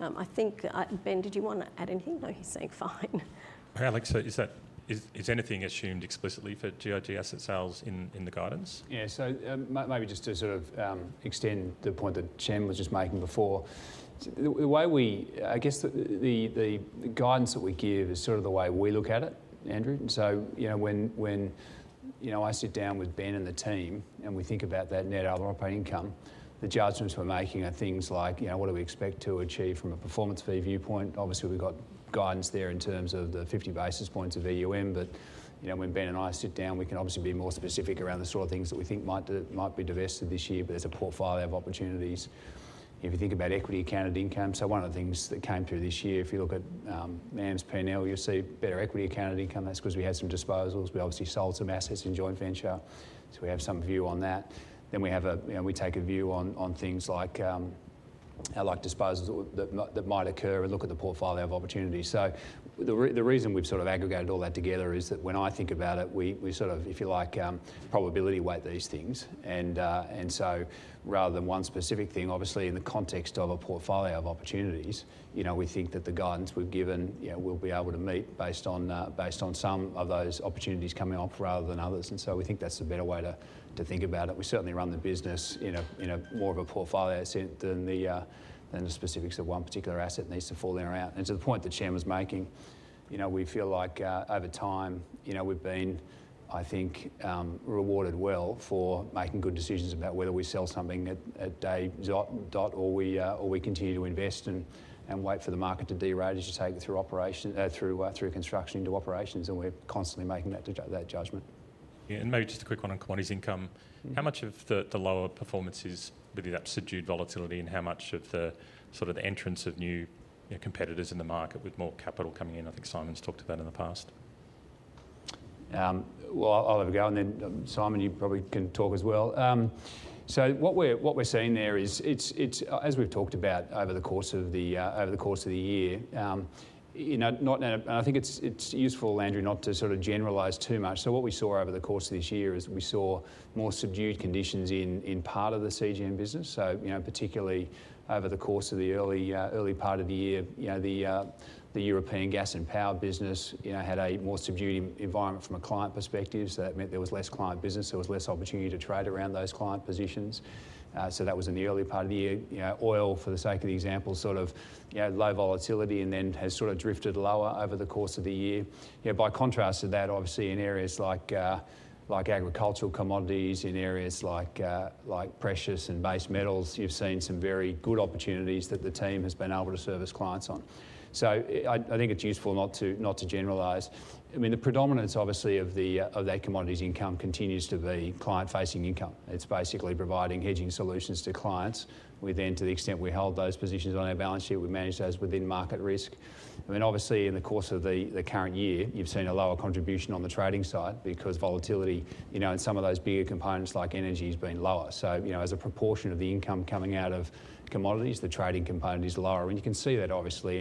I think, Ben, did you want to add anything? No, he's saying fine. Alex, is that, is anything assumed explicitly for GIG asset sales in the guidance? Yeah, so, maybe just to sort of extend the point that Shemara was just making before. The way we, I guess, the guidance that we give is sort of the way we look at it, Andrew. And so, you know, when you know, I sit down with Ben and the team and we think about that net other operating income, the judgments we're making are things like, you know, what do we expect to achieve from a performance fee viewpoint? Obviously, we've got guidance there in terms of the 50 basis points of EUM. But, you know, when Ben and I sit down, we can obviously be more specific around the sort of things that we think might be divested this year, but there's a portfolio of opportunities. If you think about equity accounted income, so one of the things that came through this year, if you look at MAM's P&L, you'll see better equity accounted income. That's because we had some disposals. We obviously sold some assets in joint venture, so we have some view on that. Then we have, you know, we take a view on things like how, like, disposals that might occur and look at the portfolio of opportunity. So the reason we've sort of aggregated all that together is that when I think about it, we sort of, if you like, probability weight these things. Rather than one specific thing, obviously in the context of a portfolio of opportunities, you know, we think that the guidance we've given, you know, we'll be able to meet based on some of those opportunities coming up rather than others. We think that's a better way to think about it. We certainly run the business in a more of a portfolio sense than the specifics of one particular asset needs to fall in or out. And to the point that Shem was making, you know, we feel like, over time, you know, we've been, I think, rewarded well for making good decisions about whether we sell something at day dot or we continue to invest and wait for the market to develop as you take it through operation, through construction into operations. And we're constantly making that judgment. Yeah. And maybe just a quick one on Commodities income. How much of the lower performances within that subdued volatility and how much of the sort of the entrance of new, you know, competitors in the market with more capital coming in? I think Simon's talked about in the past. Well, I'll have a go. And then Simon, you probably can talk as well. What we're seeing there is it's, as we've talked about over the course of the year, you know, and I think it's useful, Andrew, not to sort of generalize too much. What we saw over the course of this year is we saw more subdued conditions in part of the CGM business. You know, particularly over the course of the early part of the year, you know, the European gas and power business, you know, had a more subdued environment from a client perspective. So that meant there was less client business. There was less opportunity to trade around those client positions. That was in the early part of the year. You know, oil, for the sake of the example, sort of, you know, low volatility and then has sort of drifted lower over the course of the year. You know, by contrast to that, obviously in areas like, like agricultural commodities, in areas like, like precious and base metals, you've seen some very good opportunities that the team has been able to service clients on. So I think it's useful not to generalize. I mean, the predominance obviously of that commodities income continues to be client-facing income. It's basically providing hedging solutions to clients. We then, to the extent we hold those positions on our balance sheet, we manage those within market risk. I mean, obviously in the course of the current year, you've seen a lower contribution on the trading side because volatility, you know, in some of those bigger components like energy has been lower. So, you know, as a proportion of the income coming out of commodities, the trading component is lower. And you can see that obviously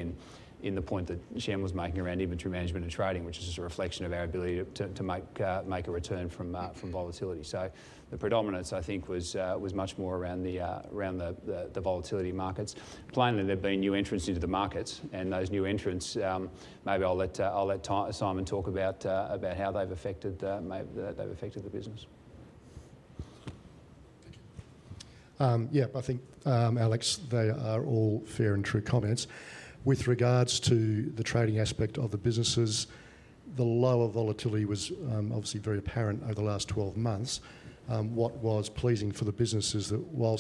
in the point that Shem was making around inventory management and trading, which is a reflection of our ability to make a return from volatility. So the predominance I think was much more around the volatility markets. Plainly, there've been new entrants into the markets and those new entrants, maybe I'll let Simon talk about how they've affected the business. Yeah, I think, Alex, they are all fair and true comments with regards to the trading aspect of the businesses. The lower volatility was, obviously, very apparent over the last 12 months. What was pleasing for the business is that while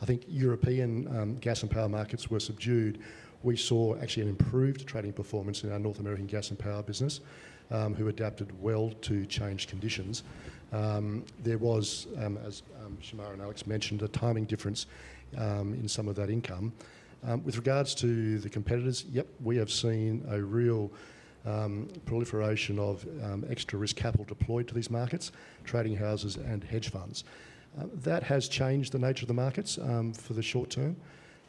I think European gas and power markets were subdued, we saw actually an improved trading performance in our North American gas and power business, who adapted well to changed conditions. There was, as Shemara and Alex mentioned, a timing difference in some of that income. With regards to the competitors, yep, we have seen a real proliferation of extra risk capital deployed to these markets, trading houses and hedge funds. That has changed the nature of the markets for the short term.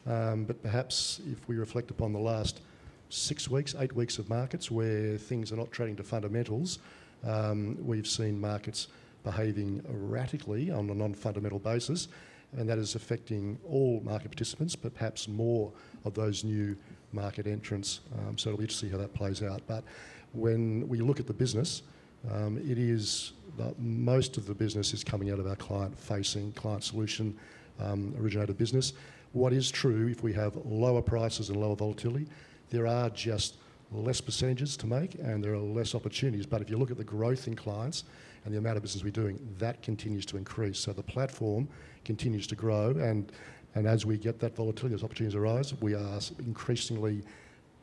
But perhaps if we reflect upon the last six weeks, eight weeks of markets where things are not trading to fundamentals, we've seen markets behaving erratically on a non-fundamental basis, and that is affecting all market participants, but perhaps more of those new market entrants. So it'll be interesting to see how that plays out. But when we look at the business, it is that most of the business is coming out of our client-facing, client solution, originated business. What is true, if we have lower prices and lower volatility, there are just less percentages to make and there are less opportunities. But if you look at the growth in clients and the amount of business we're doing, that continues to increase. So the platform continues to grow. And as we get that volatility, those opportunities arise, we are increasingly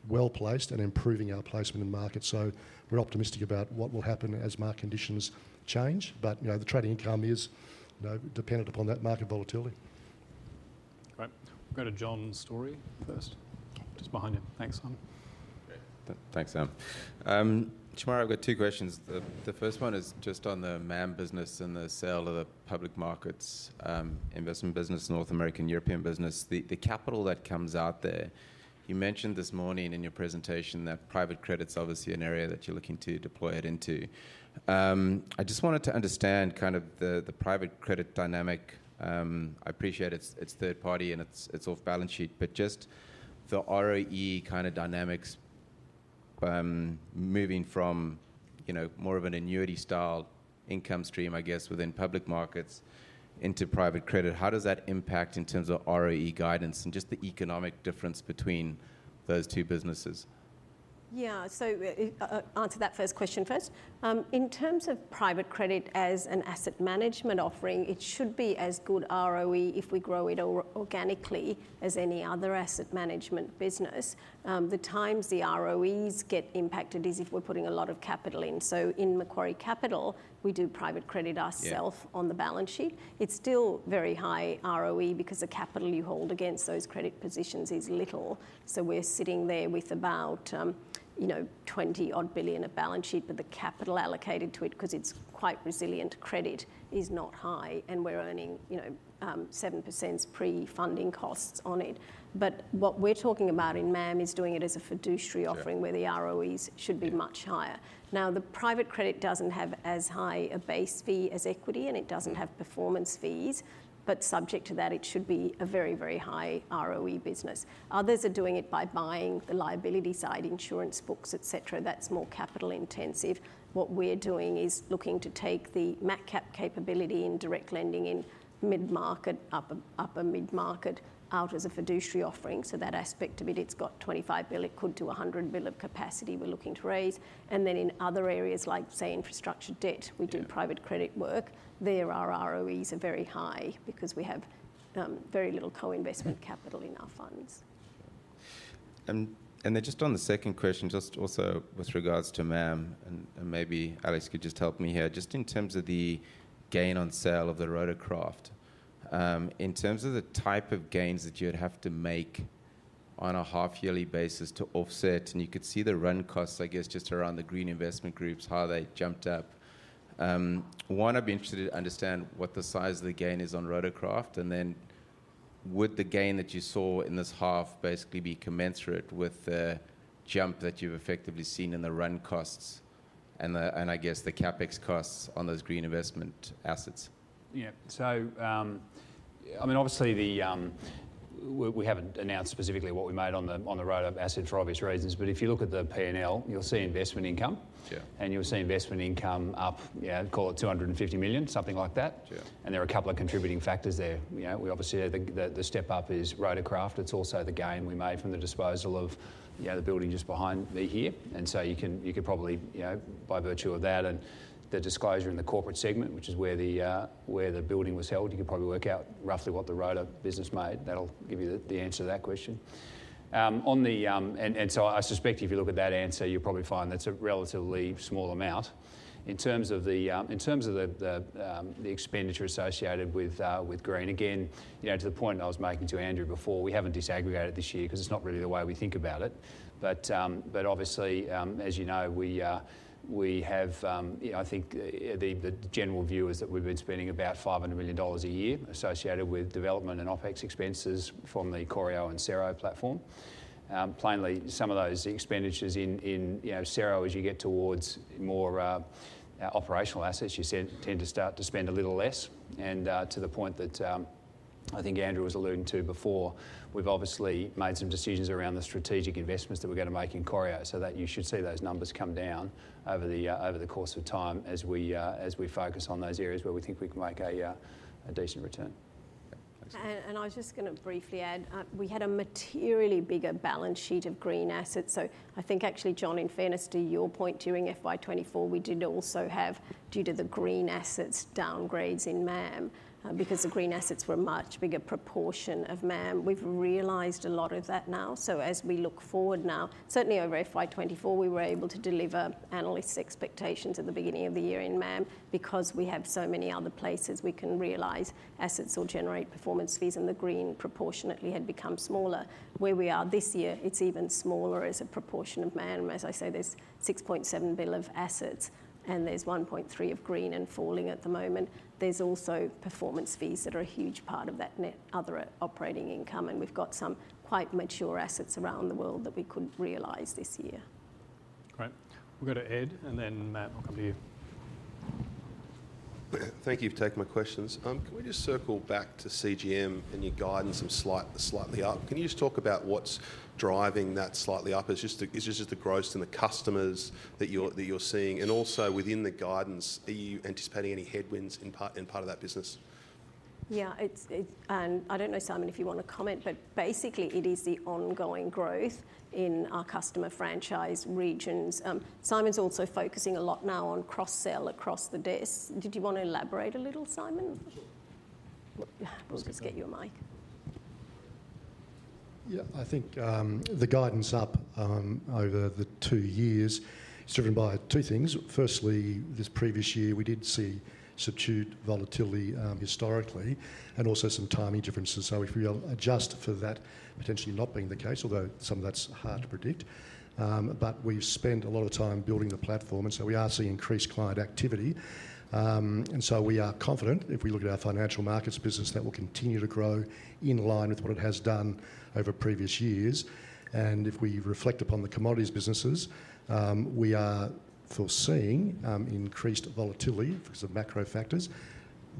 well placed and improving our placement in market. So we're optimistic about what will happen as market conditions change. But, you know, the trading income is, you know, dependent upon that market volatility. Right. We'll go to John Storey first. Just behind him. Thanks, Simon. Okay. Thanks, Sam. Shemara, I've got two questions. The first one is just on the MAM business and the sale of the public investments business, North American and European business. The, the capital that comes out there, you mentioned this morning in your presentation that private credit's obviously an area that you're looking to deploy it into. I just wanted to understand kind of the, the private credit dynamic. I appreciate it's, it's third party and it's, it's off balance sheet, but just the ROE kind of dynamics, moving from, you know, more of an annuity style income stream, I guess, within public markets into private credit. How does that impact in terms of ROE guidance and just the economic difference between those two businesses? Yeah. So I'll answer that first question first. In terms of private credit as an asset management offering, it should be as good ROE if we grow it organically as any other asset management business. The times the ROEs get impacted is if we're putting a lot of capital in. So in Macquarie Capital, we do private credit ourselves on the balance sheet. It's still very high ROE because the capital you hold against those credit positions is little. So we're sitting there with about, you know, 20-odd billion of balance sheet, but the capital allocated to it, because it's quite resilient credit, is not high. And we're earning, you know, 7% pre-funding costs on it. But what we're talking about in MAM is doing it as a fiduciary offering where the ROEs should be much higher. Now, the private credit doesn't have as high a base fee as equity, and it doesn't have performance fees. But subject to that, it should be a very, very high ROE business. Others are doing it by buying the liability side, insurance books, et cetera. That's more capital intensive. What we're doing is looking to take the Macquarie Capital capability in direct lending in mid-market, upper, upper mid-market out as a fiduciary offering. So that aspect of it, it's got 25 billion, it could do 100 billion of capacity we're looking to raise. And then in other areas like, say, infrastructure debt, we do private credit work. There our ROEs are very high because we have very little co-investment capital in our funds. Then just on the second question, just also with regards to MAM, and maybe Alex could just help me here, just in terms of the gain on sale of the Rotorcraft, in terms of the type of gains that you'd have to make on a half-yearly basis to offset, and you could see the run costs, I guess, just around the Green Investment Group, how they jumped up. One, I'd be interested to understand what the size of the gain is on Rotorcraft, and then would the gain that you saw in this half basically be commensurate with the jump that you've effectively seen in the run costs and the, and I guess the CapEx costs on those green investment assets? Yeah. So, I mean, obviously we haven't announced specifically what we made on the Rotorcraft asset for obvious reasons, but if you look at the P&L, you'll see investment income. Yeah. And you'll see investment income up, you know, call it 250 million, something like that. Yeah. And there are a couple of contributing factors there. You know, we obviously, the step up is Rotorcraft. It's also the gain we made from the disposal of, you know, the building just behind me here. And so you could probably, you know, by virtue of that and the disclosure in the corporate segment, which is where the building was held, you could probably work out roughly what the Rotorcraft business made. That'll give you the answer to that question. and so I suspect if you look at that answer, you'll probably find that's a relatively small amount in terms of the expenditure associated with green. Again, you know, to the point I was making to Andrew before, we haven't disaggregated this year because it's not really the way we think about it. But obviously, as you know, we have, you know, I think the general view is that we've been spending about 500 million dollars a year associated with development and OpEx expenses from the Corio and Cero platform. Plainly, some of those expenditures in, in, you know, Cero, as you get towards more operational assets, you tend to start to spend a little less. To the point that I think Andrew was alluding to before, we've obviously made some decisions around the strategic investments that we're going to make in Corio so that you should see those numbers come down over the course of time as we focus on those areas where we think we can make a decent return. Yeah. Thanks. I was just going to briefly add, we had a materially bigger balance sheet of green assets. So I think actually, John, in fairness to your point during FY24, we did also have due to the green assets downgrades in MAM, because the green assets were a much bigger proportion of MAM. We've realized a lot of that now. So as we look forward now, certainly over FY24, we were able to deliver analysts' expectations at the beginning of the year in MAM because we have so many other places we can realize assets or generate performance fees, and the green proportionately had become smaller. Where we are this year, it's even smaller as a proportion of MAM. As I say, there's 6.7 billion of assets and there's 1.3 billion of green and falling at the moment. There's also performance fees that are a huge part of that net other operating income. And we've got some quite mature assets around the world that we couldn't realize this year. Great. We'll go to Ed, and then Matt, I'll come to you. Thank you for taking my questions. Can we just circle back to CGM and your guidance and slight, slightly up? Can you just talk about what's driving that slightly up? It's just the growth and the customers that you're seeing. And also within the guidance, are you anticipating any headwinds in part of that business? Yeah, it's, and I don't know, Simon, if you want to comment, but basically it is the ongoing growth in our customer franchise regions. Simon's also focusing a lot now on cross-sell across the desk. Did you want to elaborate a little, Simon? Sure. Let's just get you a mic. Yeah, I think the guidance up over the two years is driven by two things. Firstly, this previous year we did see subdued volatility historically and also some timing differences. So if we adjust for that potentially not being the case, although some of that's hard to predict, but we've spent a lot of time building the platform and so we are seeing increased client activity. We are confident if we look at our financial markets business that will continue to grow in line with what it has done over previous years. If we reflect upon the commodities businesses, we are foreseeing increased volatility because of macro factors.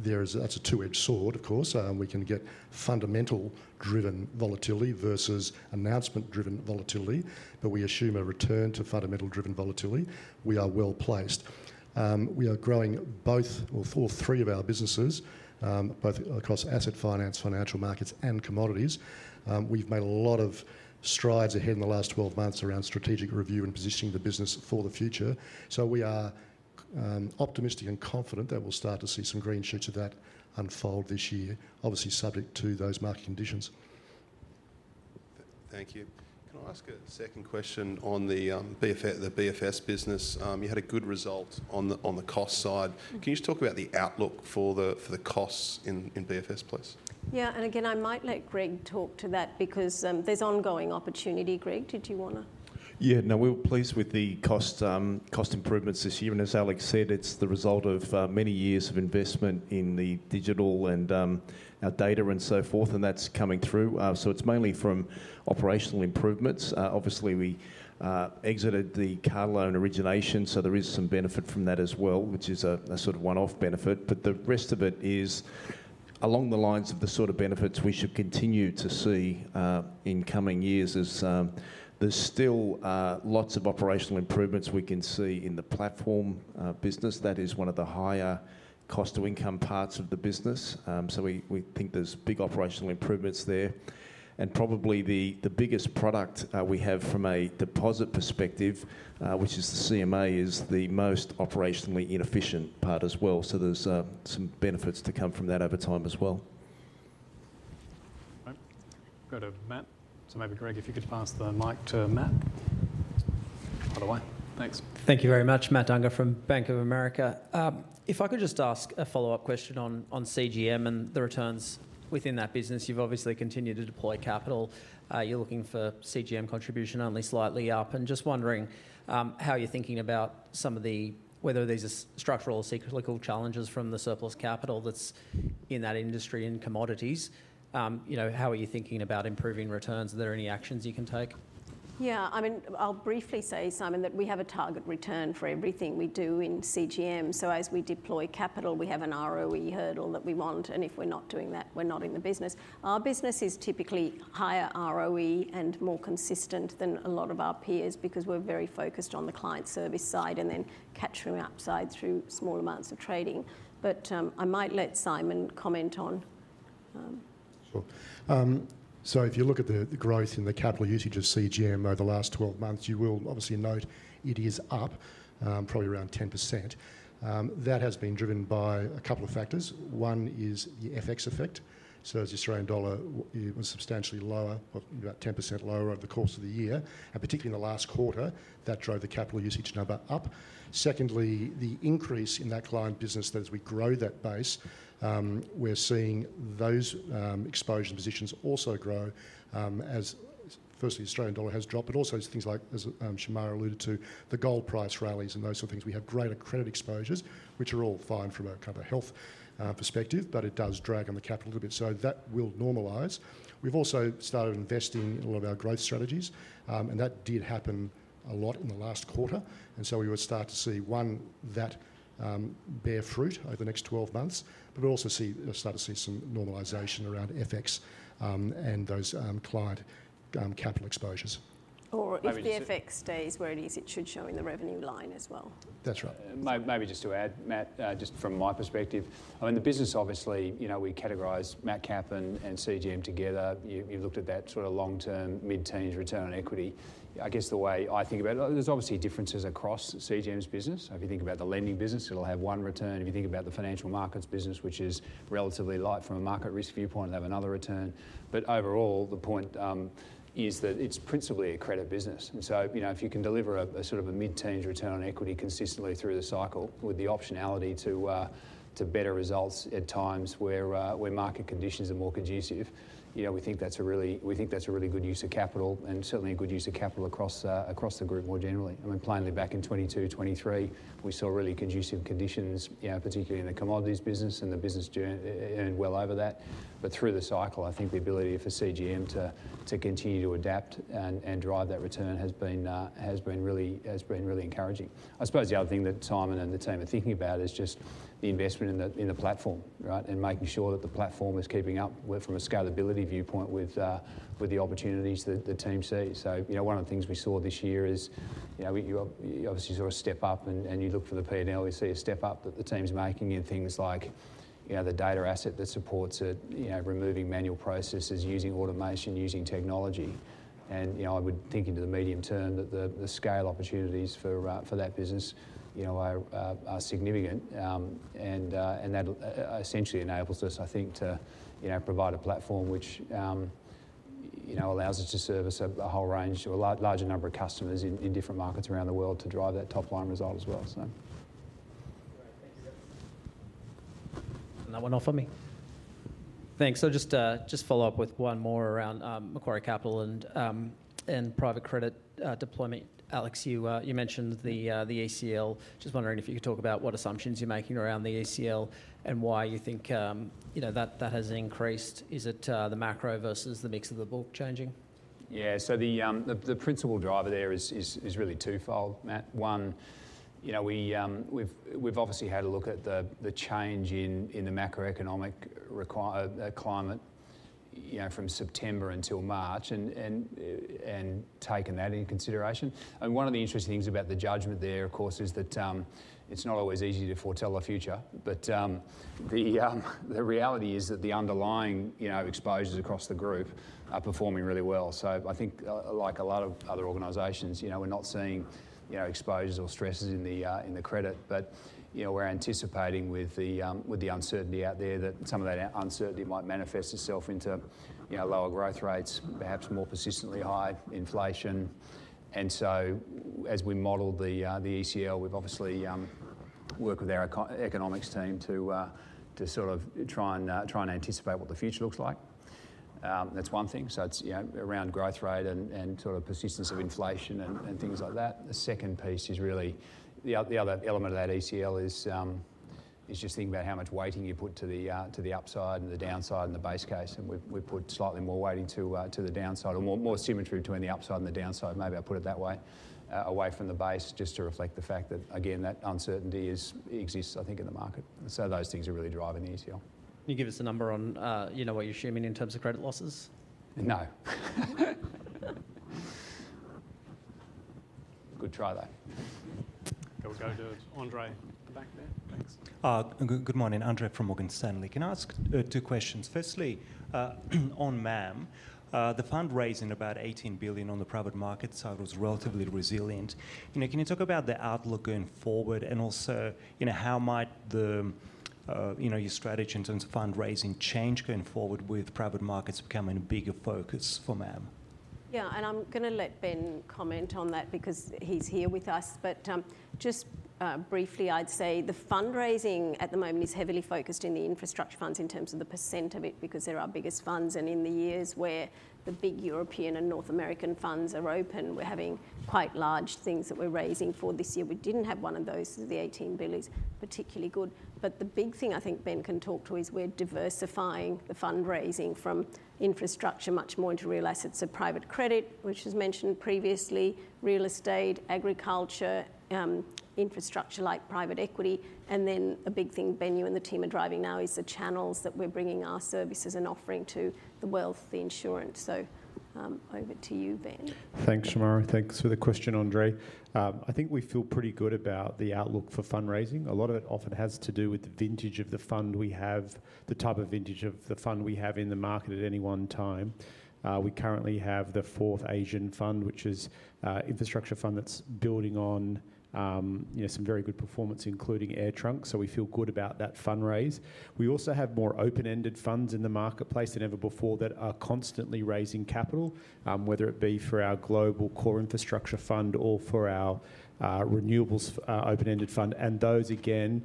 There is. That's a two-edged sword, of course. We can get fundamental-driven volatility versus announcement-driven volatility, but we assume a return to fundamental-driven volatility. We are well placed. We are growing both three of our businesses, both across asset finance, financial markets, and commodities. We've made a lot of strides ahead in the last 12 months around strategic review and positioning the business for the future. So we are optimistic and confident that we'll start to see some green shoots of that unfold this year, obviously subject to those market conditions. Thank you. Can I ask a second question on the BFS, the BFS business? You had a good result on the cost side. Can you just talk about the outlook for the costs in BFS, please? Yeah. And again, I might let Greg talk to that because there's ongoing opportunity. Greg, did you want to? Ye`ah. No, we were pleased with the cost improvements this year. And as Alex said, it's the result of many years of investment in the digital and our data and so forth, and that's coming through. So it's mainly from operational improvements. Obviously we exited the car loan origination, so there is some benefit from that as well, which is a sort of one-off benefit. But the rest of it is along the lines of the sort of benefits we should continue to see in coming years as there's still lots of operational improvements we can see in the platform business. That is one of the higher cost of income parts of the business. So we think there's big operational improvements there. And probably the biggest product we have from a deposit perspective, which is the CMA, is the most operationally inefficient part as well. So there's some benefits to come from that over time as well. Okay. We've got a Matt. So maybe Greg, if you could pass the mic to Matt. By the way, thanks. Thank you very much, Matt Unger from Bank of America. If I could just ask a follow-up question on CGM and the returns within that business. You've obviously continued to deploy capital. You're looking for CGM contribution only slightly up. And just wondering, how you're thinking about some of the, whether these are structural or cyclical challenges from the surplus capital that's in that industry in commodities. You know, how are you thinking about improving returns? Are there any actions you can take? Yeah, I mean, I'll briefly say, Simon, that we have a target return for everything we do in CGM. So as we deploy capital, we have an ROE hurdle that we want. And if we're not doing that, we're not in the business. Our business is typically higher ROE and more consistent than a lot of our peers because we're very focused on the client service side and then catching upside through small amounts of trading. But I might let Simon comment on. Sure. So if you look at the growth in the capital usage of CGM over the last 12 months, you will obviously note it is up, probably around 10%. That has been driven by a couple of factors. One is the FX effect. So as the Australian dollar was substantially lower, well, about 10% lower over the course of the year, and particularly in the last quarter, that drove the capital usage number up. Secondly, the increase in that client business that as we grow that base, we're seeing those exposure positions also grow, as firstly the Australian dollar has dropped, but also things like, as Shemara alluded to, the gold price rallies and those sort of things. We have greater credit exposures, which are all fine from a kind of health perspective, but it does drag on the capital a little bit. So that will normalize. We've also started investing in a lot of our growth strategies, and that did happen a lot in the last quarter. And so we would start to see them bear fruit over the next 12 months, but we'll also start to see some normalization around FX and those client capital exposures. Or if the FX stays where it is, it should show in the revenue line as well. That's right. Maybe just to add, Matt, just from my perspective, I mean, the business obviously, you know, we categorize MacCap and CGM together. You've looked at that sort of long-term mid-ten years return on equity. I guess the way I think about it, there's obviously differences across CGM's business. If you think about the lending business, it'll have one return. If you think about the financial markets business, which is relatively light from a market risk viewpoint, they have another return. But overall, the point is that it's principally a credit business. And so, you know, if you can deliver a sort of a mid-teens return on equity consistently through the cycle with the optionality to better results at times where market conditions are more conducive, you know, we think that's a really, we think that's a really good use of capital and certainly a good use of capital across the group more generally. I mean, plainly back in 2022, 2023, we saw really conducive conditions, you know, particularly in the commodities business and the business generally and well over that. But through the cycle, I think the ability for CGM to continue to adapt and drive that return has been really encouraging. I suppose the other thing that Simon and the team are thinking about is just the investment in the platform, right, and making sure that the platform is keeping up from a scalability viewpoint with the opportunities that the team see. So you know, one of the things we saw this year is, you know, you obviously sort of step up and you look for the P&L, you see a step up that the team's making in things like, you know, the data asset that supports it, you know, removing manual processes, using automation, using technology. You know, I would think into the medium term that the scale opportunities for that business, you know, are significant. And that essentially enables us, I think, to, you know, provide a platform which, you know, allows us to service a whole range or a larger number of customers in different markets around the world to drive that top line result as well. So. Great. Thank you. And that one off for me. Thanks. I'll just follow up with one more around Macquarie Capital and private credit deployment. Alex, you mentioned the ECL. Just wondering if you could talk about what assumptions you're making around the ECL and why you think, you know, that has increased. Is it the macro versus the mix of the book changing? Yeah. So the principal driver there is really twofold, Matt. One, you know, we've obviously had a look at the change in the macroeconomic climate, you know, from September until March and taken that into consideration. And one of the interesting things about the judgment there, of course, is that it's not always easy to foretell the future, but the reality is that the underlying, you know, exposures across the group are performing really well. So I think, like a lot of other organizations, you know, we're not seeing, you know, exposures or stresses in the credit, but, you know, we're anticipating with the uncertainty out there that some of that uncertainty might manifest itself into, you know, lower growth rates, perhaps more persistently high inflation. And so as we model the ECL, we've obviously worked with our economics team to sort of try and anticipate what the future looks like. That's one thing. So it's, you know, around growth rate and sort of persistence of inflation and things like that. The second piece is really the other element of that ECL is just thinking about how much weighting you put to the upside and the downside and the base case. And we've put slightly more weighting to the downside or more symmetry between the upside and the downside. Maybe I'll put it that way, away from the base just to reflect the fact that, again, that uncertainty exists, I think, in the market. And so those things are really driving the ECL. Can you give us a number on, you know, what you're seeing in terms of credit losses? No. Good try though. Go with Andrei back there. Thanks. Good morning, Andrei from Morgan Stanley. Can I ask two questions? Firstly, on MAM, the fundraising about 18 billion on the private markets side, it was relatively resilient. You know, can you talk about the outlook going forward and also, you know, how might the, you know, your strategy in terms of fundraising change going forward with private markets becoming a bigger focus for MAM? Yeah. And I'm going to let Ben comment on that because he's here with us. But, just, briefly, I'd say the fundraising at the moment is heavily focused in the infrastructure funds in terms of the percent of it because they're our biggest funds. In the years where the big European and North American funds are open, we're having quite large things that we're raising for this year. We didn't have one of those as the 18 billion is particularly good. But the big thing I think Ben can talk to is we're diversifying the fundraising from infrastructure much more into real assets and private credit, which was mentioned previously, real estate, agriculture, infrastructure like private equity. And then the big thing Ben and you and the team are driving now is the channels that we're bringing our services and offering to the wealth, the insurance. So, over to you, Ben. Thanks, Shemara. Thanks for the question, Andrei. I think we feel pretty good about the outlook for fundraising.A lot of it often has to do with the vintage of the fund we have, the type of the vintage of the fund we have in the market at any one time. We currently have the fourth Asian fund, which is infrastructure fund that's building on, you know, some very good performance, including AirTrunk. So we feel good about that fundraise. We also have more open-ended funds in the marketplace than ever before that are constantly raising capital, whether it be for our global core infrastructure fund or for our renewables open-ended fund. And those again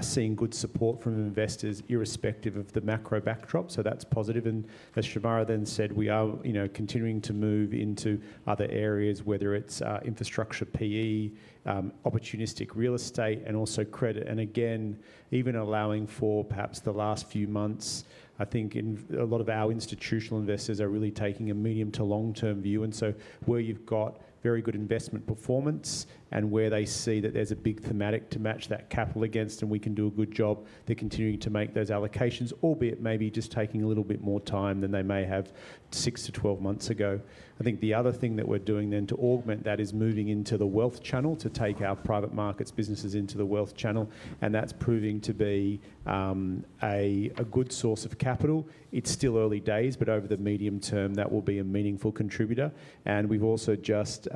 seeing good support from investors irrespective of the macro backdrop. So that's positive. And as Shemara then said, we are, you know, continuing to move into other areas, whether it's infrastructure, PE, opportunistic real estate, and also credit. Again, even allowing for perhaps the last few months, I think in a lot of our institutional investors are really taking a medium to long-term view. So where you've got very good investment performance and where they see that there's a big thematic to match that capital against and we can do a good job, they're continuing to make those allocations, albeit maybe just taking a little bit more time than they may have six to 12 months ago. I think the other thing that we're doing then to augment that is moving into the wealth channel to take our private markets businesses into the wealth channel. That's proving to be a good source of capital. It's still early days, but over the medium term, that will be a meaningful contributor. And we've also just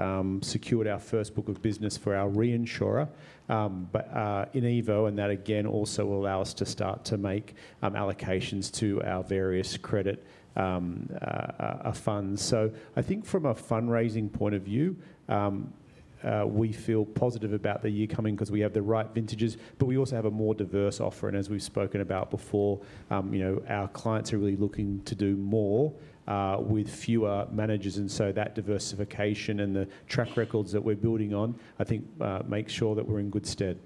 secured our first book of business for our reinsurer, but InEvo. And that again also will allow us to start to make allocations to our various credit funds. So I think from a fundraising point of view, we feel positive about the year coming because we have the right vintages, but we also have a more diverse offer. And as we've spoken about before, you know, our clients are really looking to do more with fewer managers. And so that diversification and the track records that we're building on, I think, makes sure that we're in good stead.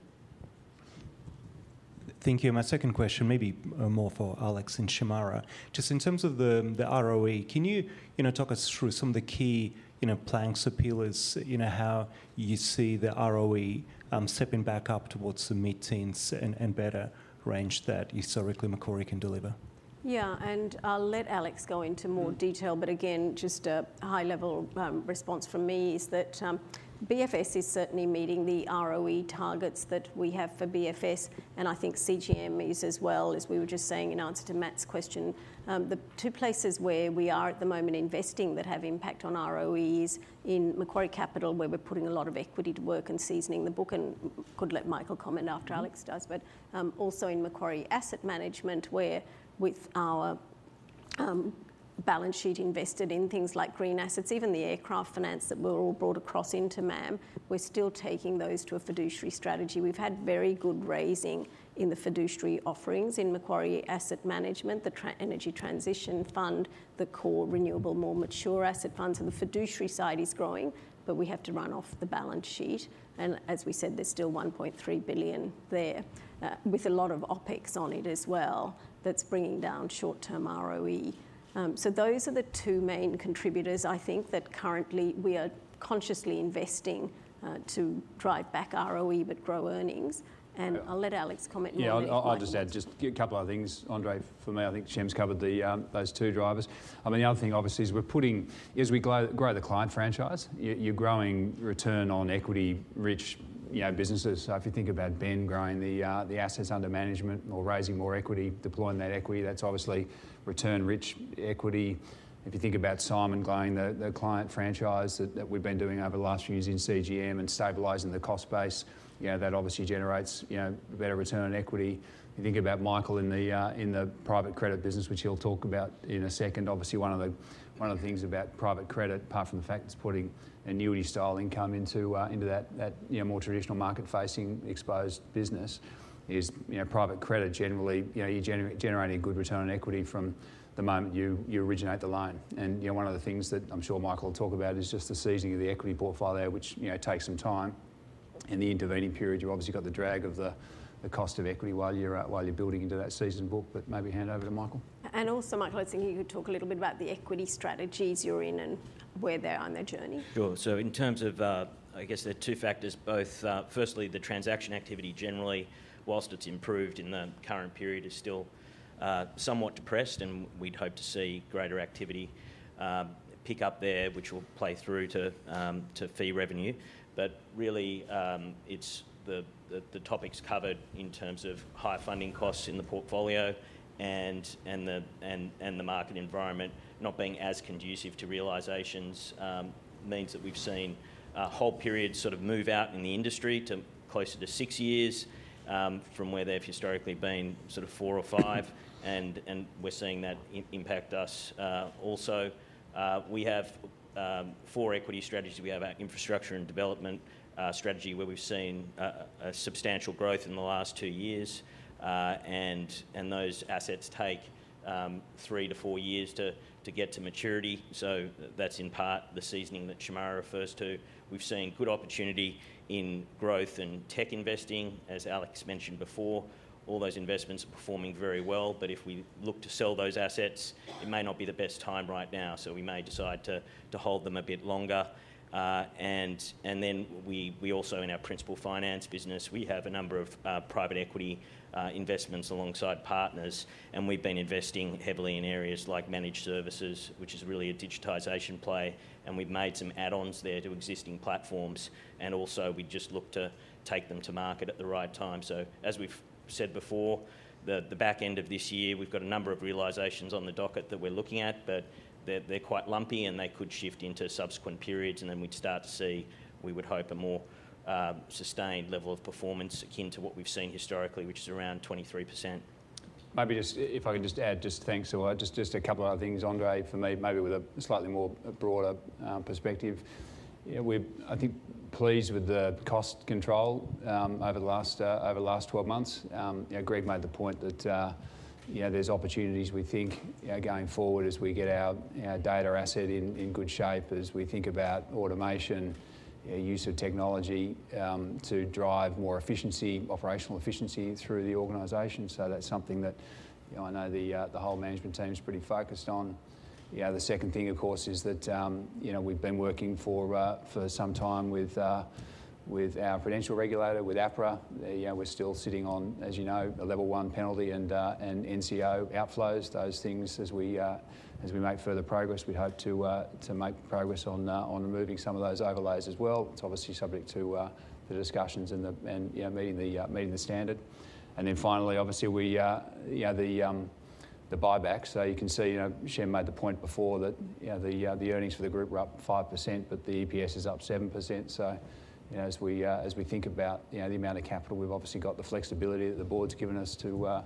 Thank you. My second question, maybe more for Alex and Shemara, just in terms of the ROE, can you, you know, talk us through some of the key, you know, pillars, you know, how you see the ROE stepping back up towards the mid-teens and the better range that you saw recently Macquarie can deliver. Yeah. I'll let Alex go into more detail, but again, just a high-level response from me is that BFS is certainly meeting the ROE targets that we have for BFS. And I think CGM is as well as we were just saying in answer to Matt's question. The two places where we are at the moment investing that have impact on ROE is in Macquarie Capital, where we're putting a lot of equity to work and seasoning the book. And could let Michael comment after Alex does, but also in Macquarie Asset Management, where with our balance sheet invested in things like green assets, even the aircraft finance that we're all brought across into MAM, we're still taking those to a fiduciary strategy. We've had very good raising in the fiduciary offerings in Macquarie Asset Management, the energy transition fund, the core renewable, more mature asset funds. And the fiduciary side is growing, but we have to run off the balance sheet. And as we said, there's still 1.3 billion there, with a lot of OpEx on it as well that's bringing down short-term ROE. So those are the two main contributors. I think that currently we are consciously investing to drive back ROE, but grow earnings. And I'll let Alex comment. Yeah, I'll just add just a couple of things, Andrei, for me. I think Shem's covered the those two drivers. I mean, the other thing obviously is we're putting, as we grow the client franchise, you're growing return on equity rich, you know, businesses. So if you think about Ben growing the assets under management or raising more equity, deploying that equity, that's obviously return rich equity. If you think about Simon growing the client franchise that we've been doing over the last few years in CGM and stabilizing the cost base, you know, that obviously generates, you know, better return on equity. You think about Michael in the private credit business, which he'll talk about in a second. Obviously, one of the things about private credit, apart from the fact it's putting annuity style income into that you know more traditional market facing exposed business is, you know, private credit generally, you know, you're generating a good return on equity from the moment you originate the loan. And, you know, one of the things that I'm sure Michael will talk about is just the seasoning of the equity portfolio, which, you know, takes some time. In the intervening period, you've obviously got the drag of the cost of equity while you're building into that seasoned book, but maybe hand over to Michael. And also, Michael, I was thinking you could talk a little bit about the equity strategies you're in and where they are on their journey. Sure. So in terms of, I guess there are two factors. Both, firstly, the transaction activity generally, while it's improved in the current period, is still somewhat depressed and we'd hope to see greater activity pick up there, which will play through to fee revenue. But really, it's the topics covered in terms of higher funding costs in the portfolio and the market environment not being as conducive to realizations, means that we've seen hold periods sort of move out in the industry to closer to six years, from where they've historically been sort of four or five. We're seeing that impact us also. We have four equity strategies. We have our infrastructure and development strategy where we've seen substantial growth in the last two years. Those assets take three to four years to get to maturity. So that's in part the seasoning that Shemara refers to. We've seen good opportunity in growth and tech investing, as Alex mentioned before. All those investments are performing very well. But if we look to sell those assets, it may not be the best time right now. So we may decide to hold them a bit longer, and then we also in our principal finance business, we have a number of private equity investments alongside partners. And we've been investing heavily in areas like managed services, which is really a digitization play. And also we just look to take them to market at the right time. So as we've said before, the back end of this year, we've got a number of realizations on the docket that we're looking at, but they're quite lumpy and they could shift into subsequent periods. And then we'd start to see, we would hope a more sustained level of performance akin to what we've seen historically, which is around 23%. Maybe just, if I can just add, just thanks a lot. Just a couple of other things, Andrei, for me, maybe with a slightly more broader perspective. You know, we're, I think, pleased with the cost control over the last 12 months. You know, Greg made the point that, you know, there's opportunities we think, you know, going forward as we get our data asset in good shape as we think about automation, you know, use of technology, to drive more efficiency, operational efficiency through the organization. So that's something that, you know, I know the whole management team is pretty focused on. You know, the second thing, of course, is that, you know, we've been working for some time with our financial regulator, with APRA. You know, we're still sitting on, as you know, a level one penalty and NCO outflows, those things as we make further progress, we hope to make progress on removing some of those overlays as well. It's obviously subject to the discussions and, you know, meeting the standard. And then finally, obviously we, you know, the buyback. So you can see, you know, Shem made the point before that, you know, the earnings for the group were up 5%, but the EPS is up 7%. So, you know, as we think about, you know, the amount of capital, we've obviously got the flexibility that the board's given us to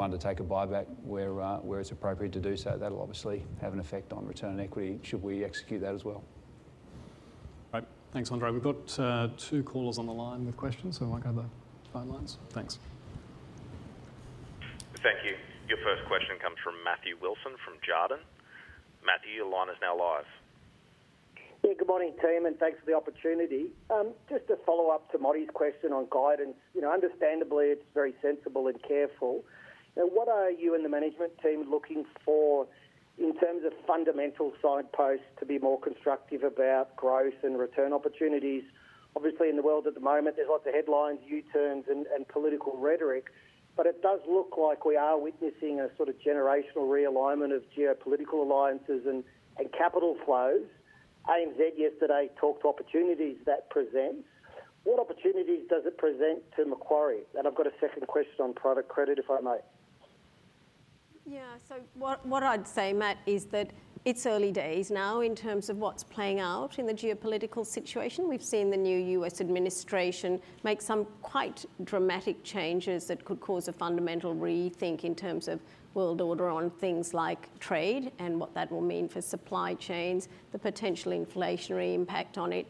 undertake a buyback where it's appropriate to do so. That'll obviously have an effect on return on equity should we execute that as well. Right. Thanks, Andrei. We've got two callers on the line with questions, so we might go to the phone lines. Thanks. Thank you. Your first question comes from Matthew Wilson from Jarden. Matthew, your line is now live. Yeah. Good morning, Tim, and thanks for the opportunity. Just to follow up to Matthew's question on guidance, you know, understandably it's very sensible and careful. You know, what are you and the management team looking for in terms of fundamental signposts to be more constructive about growth and return opportunities? Obviously, in the world at the moment, there's lots of headlines, U-turns and political rhetoric, but it does look like we are witnessing a sort of generational realignment of geopolitical alliances and capital flows. ANZ yesterday talked to opportunities that presents. What opportunities does it present to Macquarie? And I've got a second question on private credit, if I may. Yeah. So what I'd say, Matt, is that it's early days now in terms of what's playing out in the geopolitical situation. We've seen the new U.S. administration make some quite dramatic changes that could cause a fundamental rethink in terms of world order on things like trade and what that will mean for supply chains, the potential inflationary impact on it,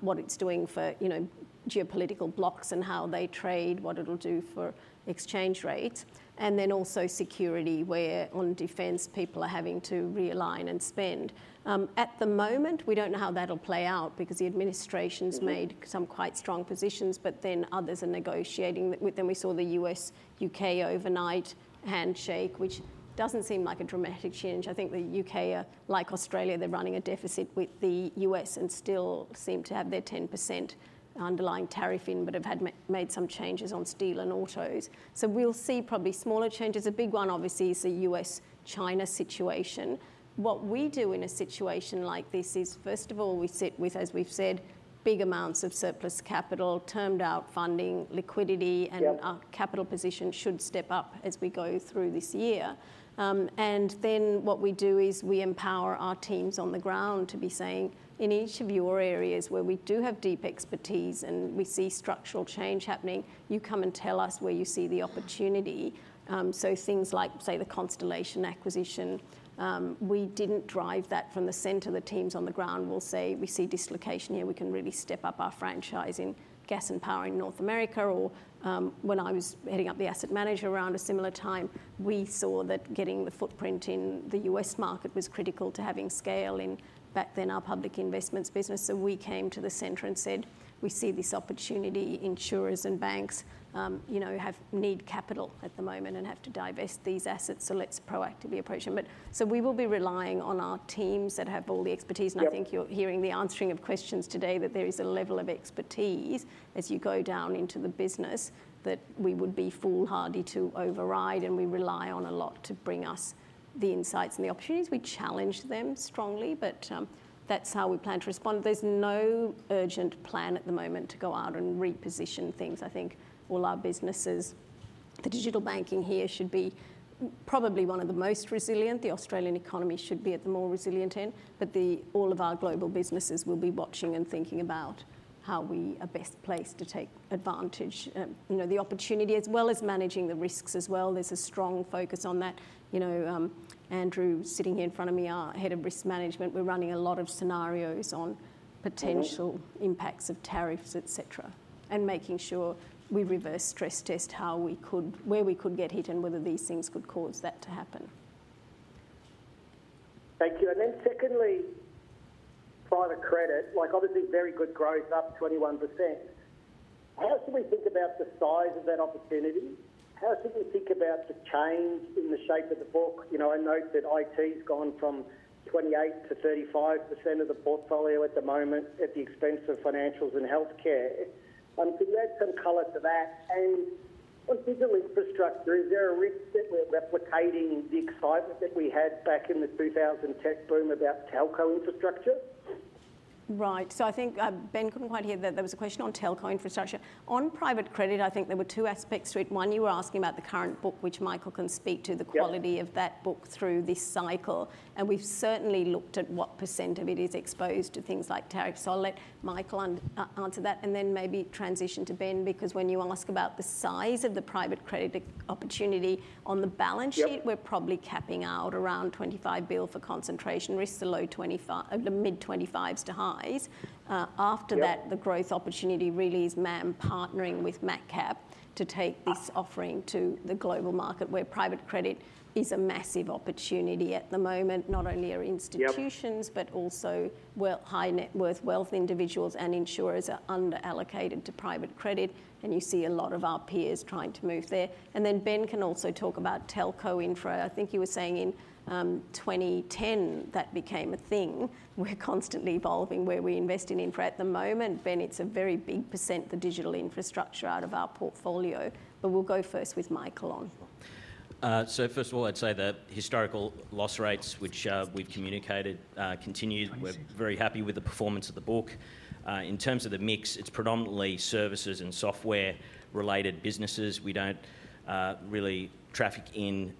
what it's doing for, you know, geopolitical blocs and how they trade, what it'll do for exchange rates, and then also security where on defense people are having to realign and spend. At the moment, we don't know how that'll play out because the administration's made some quite strong positions, but then others are negotiating with them. We saw the U.S., U.K. overnight handshake, which doesn't seem like a dramatic change. I think the U.K., like Australia, they're running a deficit with the U.S. and still seem to have their 10% underlying tariff in, but have had made some changes on steel and autos. So we'll see probably smaller changes. A big one obviously is the U.S.-China situation. What we do in a situation like this is, first of all, we sit with, as we've said, big amounts of surplus capital, termed out funding, liquidity, and our capital position should step up as we go through this year. And then what we do is we empower our teams on the ground to be saying in each of your areas where we do have deep expertise and we see structural change happening, you come and tell us where you see the opportunity. So things like say the Constellation acquisition, we didn't drive that from the center but the teams on the ground. We'll say we see dislocation here. We can really step up our franchise in gas and power in North America. Or, when I was heading up the asset manager around a similar time, we saw that getting the footprint in the US market was critical to having scale in back then our public investments business. So we came to the center and said, we see this opportunity. Insurers and banks, you know, have need capital at the moment and have to divest these assets. So let's proactively approach them. But so we will be relying on our teams that have all the expertise. And I think you're hearing the answering of questions today that there is a level of expertise as you go down into the business that we would be foolhardy to override. And we rely on a lot to bring us the insights and the opportunities. We challenge them strongly, but, that's how we plan to respond. There's no urgent plan at the moment to go out and reposition things. I think all our businesses, the digital banking here should be probably one of the most resilient. The Australian economy should be at the more resilient end, but all of our global businesses will be watching and thinking about how we are best placed to take advantage, you know, the opportunity as well as managing the risks as well. There's a strong focus on that. You know, Andrew sitting here in front of me, our head of risk management, we're running a lot of scenarios on potential impacts of tariffs, et cetera, and making sure we reverse stress test how we could, where we could get hit and whether these things could cause that to happen. Thank you. And then secondly, private credit, like obviously very good growth up 21%. How should we think about the size of that opportunity? How should we think about the change in the shape of the book? You know, I note that IT's gone from 28%-35% of the portfolio at the moment at the expense of financials and healthcare. Can you add some color to that? And on digital infrastructure, is there a risk that we're replicating the excitement that we had back in the 2000 tech boom about telco infrastructure? Right. So I think, Ben couldn't quite hear that there was a question on telco infrastructure. On private credit, I think there were two aspects to it. One, you were asking about the current book, which Michael can speak to the quality of that book through this cycle. And we've certainly looked at what percent of it is exposed to things like tariffs. I'll let Michael answer that and then maybe transition to Ben, because when you ask about the size of the private credit opportunity on the balance sheet, we're probably capping out around 25 billion for concentration risks to low-25s, the mid-25s to highs. After that, the growth opportunity really is MAM partnering with Macquarie Capital to take this offering to the global market where private credit is a massive opportunity at the moment, not only our institutions, but also where high net worth wealth individuals and insurers are under allocated to private credit. And you see a lot of our peers trying to move there. And then Ben can also talk about telco infra. I think you were saying in 2010 that became a thing. We're constantly evolving where we invest in infra at the moment. Ben, it's a very big percent, the digital infrastructure out of our portfolio, but we'll go first with Michael on. Sure, so first of all, I'd say that historical loss rates, which we've communicated, continued. We're very happy with the performance of the book. In terms of the mix, it's predominantly services and software related businesses. We don't really traffic in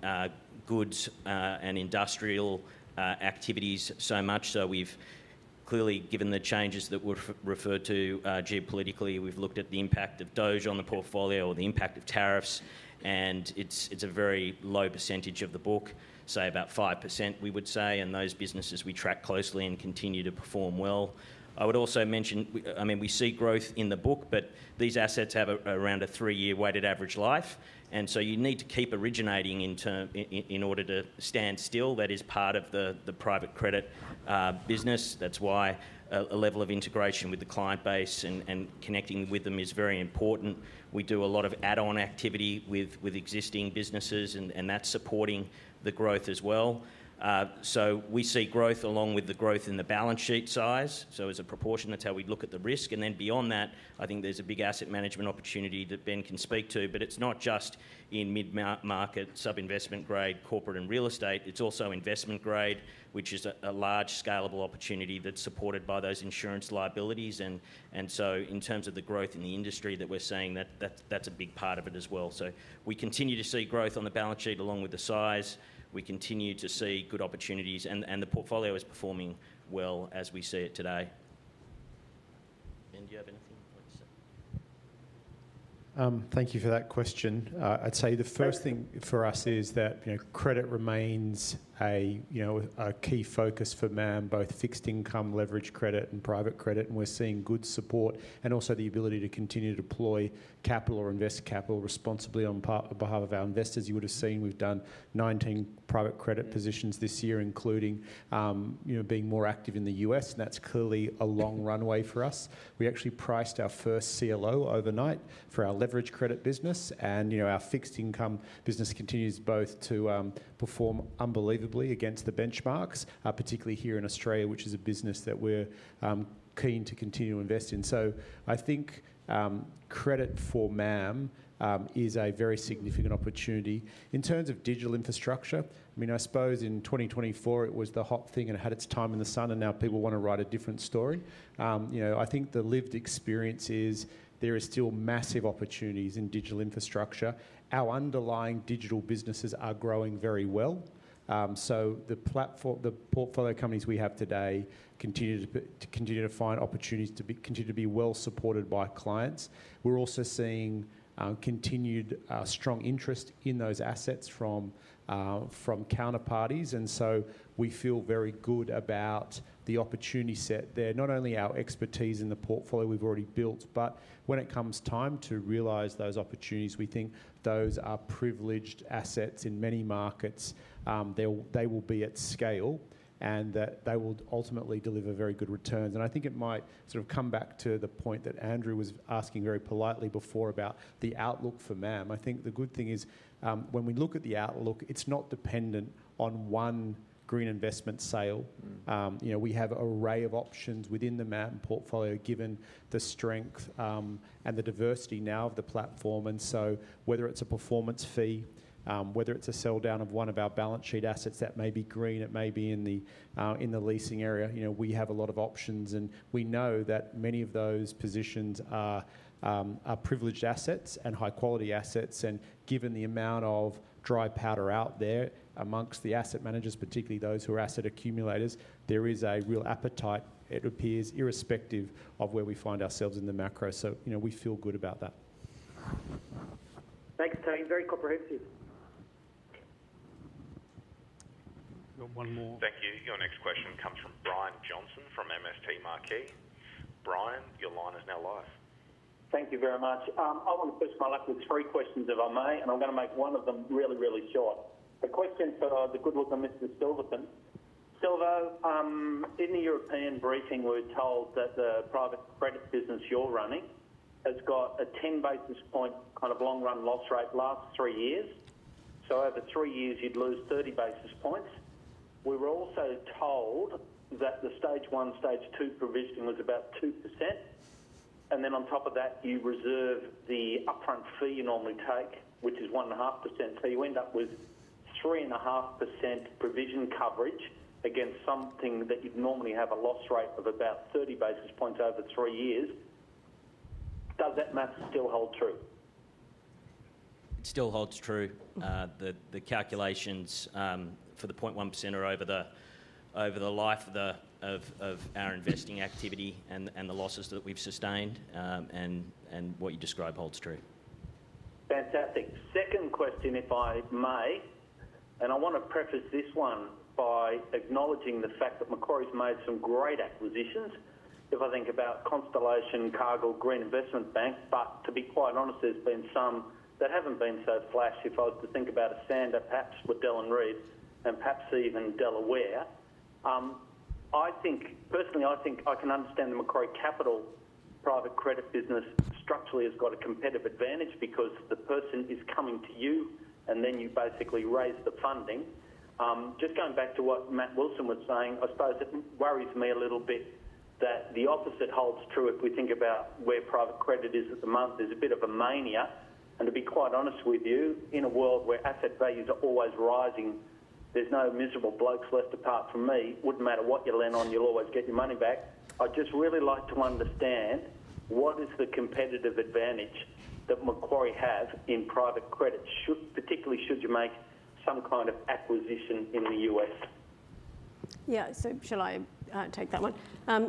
goods and industrial activities so much. So we've clearly given the changes that were referred to, geopolitically. We've looked at the impact of DOGE on the portfolio or the impact of tariffs. And it's a very low percentage of the book, say about 5% we would say. And those businesses we track closely and continue to perform well. I would also mention, I mean, we see growth in the book, but these assets have around a three-year weighted average life. You need to keep originating in turn in order to stand still. That is part of the private credit business. That is why a level of integration with the client base and connecting with them is very important. We do a lot of add-on activity with existing businesses and that is supporting the growth as well. We see growth along with the growth in the balance sheet size. As a proportion, that is how we look at the risk. Then beyond that, I think there is a big asset management opportunity that Ben can speak to, but it is not just in mid-market sub-investment grade corporate and real estate. It is also investment grade, which is a large scalable opportunity that is supported by those insurance liabilities. And so in terms of the growth in the industry that we're seeing, that's a big part of it as well. So we continue to see growth on the balance sheet along with the size. We continue to see good opportunities and the portfolio is performing well as we see it today. Ben, do you have anything you'd like to say? Thank you for that question. I'd say the first thing for us is that, you know, credit remains, you know, a key focus for MAM, both fixed income, leveraged credit, and private credit. And we're seeing good support and also the ability to continue to deploy capital or invest capital responsibly on behalf of our investors. You would've seen we've done 19 private credit positions this year, including, you know, being more active in the U.S. And that's clearly a long runway for us. We actually priced our first CLO overnight for our leveraged credit business. You know, our fixed income business continues to perform unbelievably against the benchmarks, particularly here in Australia, which is a business that we're keen to continue to invest in. I think credit for MAM is a very significant opportunity in terms of digital infrastructure. I mean, I suppose in 2024 it was the hot thing and it had its time in the sun, and now people wanna write a different story. You know, I think the lived experience is there are still massive opportunities in digital infrastructure. Our underlying digital businesses are growing very well. The platform, the portfolio companies we have today continue to find opportunities to continue to be well supported by clients. We're also seeing continued strong interest in those assets from counterparties. And so we feel very good about the opportunity set there. Not only our expertise in the portfolio we've already built, but when it comes time to realize those opportunities, we think those are privileged assets in many markets. They will be at scale and they will ultimately deliver very good returns. And I think it might sort of come back to the point that Andrew was asking very politely before about the outlook for MAM. I think the good thing is, when we look at the outlook, it's not dependent on one green investment sale. You know, we have an array of options within the MAM portfolio given the strength, and the diversity now of the platform. And so whether it's a performance fee, whether it's a sell down of one of our balance sheet assets that may be green, it may be in the leasing area, you know, we have a lot of options and we know that many of those positions are privileged assets and high quality assets. And given the amount of dry powder out there amongst the asset managers, particularly those who are asset accumulators, there is a real appetite, it appears irrespective of where we find ourselves in the macro. So, you know, we feel good about that. Thanks, Tony. Very comprehensive. We've got one more. Thank you. Your next question comes from Brian Johnson from MST Marquee. Brian, your line is now live. Thank you very much. I wanna push my luck with three questions if I may, and I'm gonna make one of them really, really short. The question is for Michael Silverton. Silver, in the European briefing, we were told that the private credit business you are running has got a 10 basis points kind of long run loss rate last three years. So over three years you'd lose 30 basis points. We were also told that the stage one, stage two provisioning was about 2%. And then on top of that, you reserve the upfront fee you normally take, which is 1.5%. So you end up with 3.5% provision coverage against something that you'd normally have a loss rate of about 30 basis points over three years. Does that math still hold true? It still holds true. The calculations for the 0.1% are over the life of our investing activity and the losses that we've sustained. What you describe holds true. Fantastic. Second question, if I may, and I wanna preface this one by acknowledging the fact that Macquarie's made some great acquisitions. If I think about Constellation, Cargill, Green Investment Bank, but to be quite honest, there's been some that haven't been so flashy. If I was to think about a standalone, perhaps with Dillon Read and perhaps even Delaware. I think personally, I think I can understand the Macquarie Capital private credit business structurally has got a competitive advantage because the person is coming to you and then you basically raise the funding. Just going back to what Matt Wilson was saying, I suppose it worries me a little bit that the opposite holds true. If we think about where private credit is at the moment, there's a bit of a mania. To be quite honest with you, in a world where asset values are always rising, there's no miserable blokes left apart from me. It wouldn't matter what you lend on, you'll always get your money back. I'd just really like to understand what is the competitive advantage that Macquarie has in private credit, particularly should you make some kind of acquisition in the U.S.? Yeah. So shall I take that one?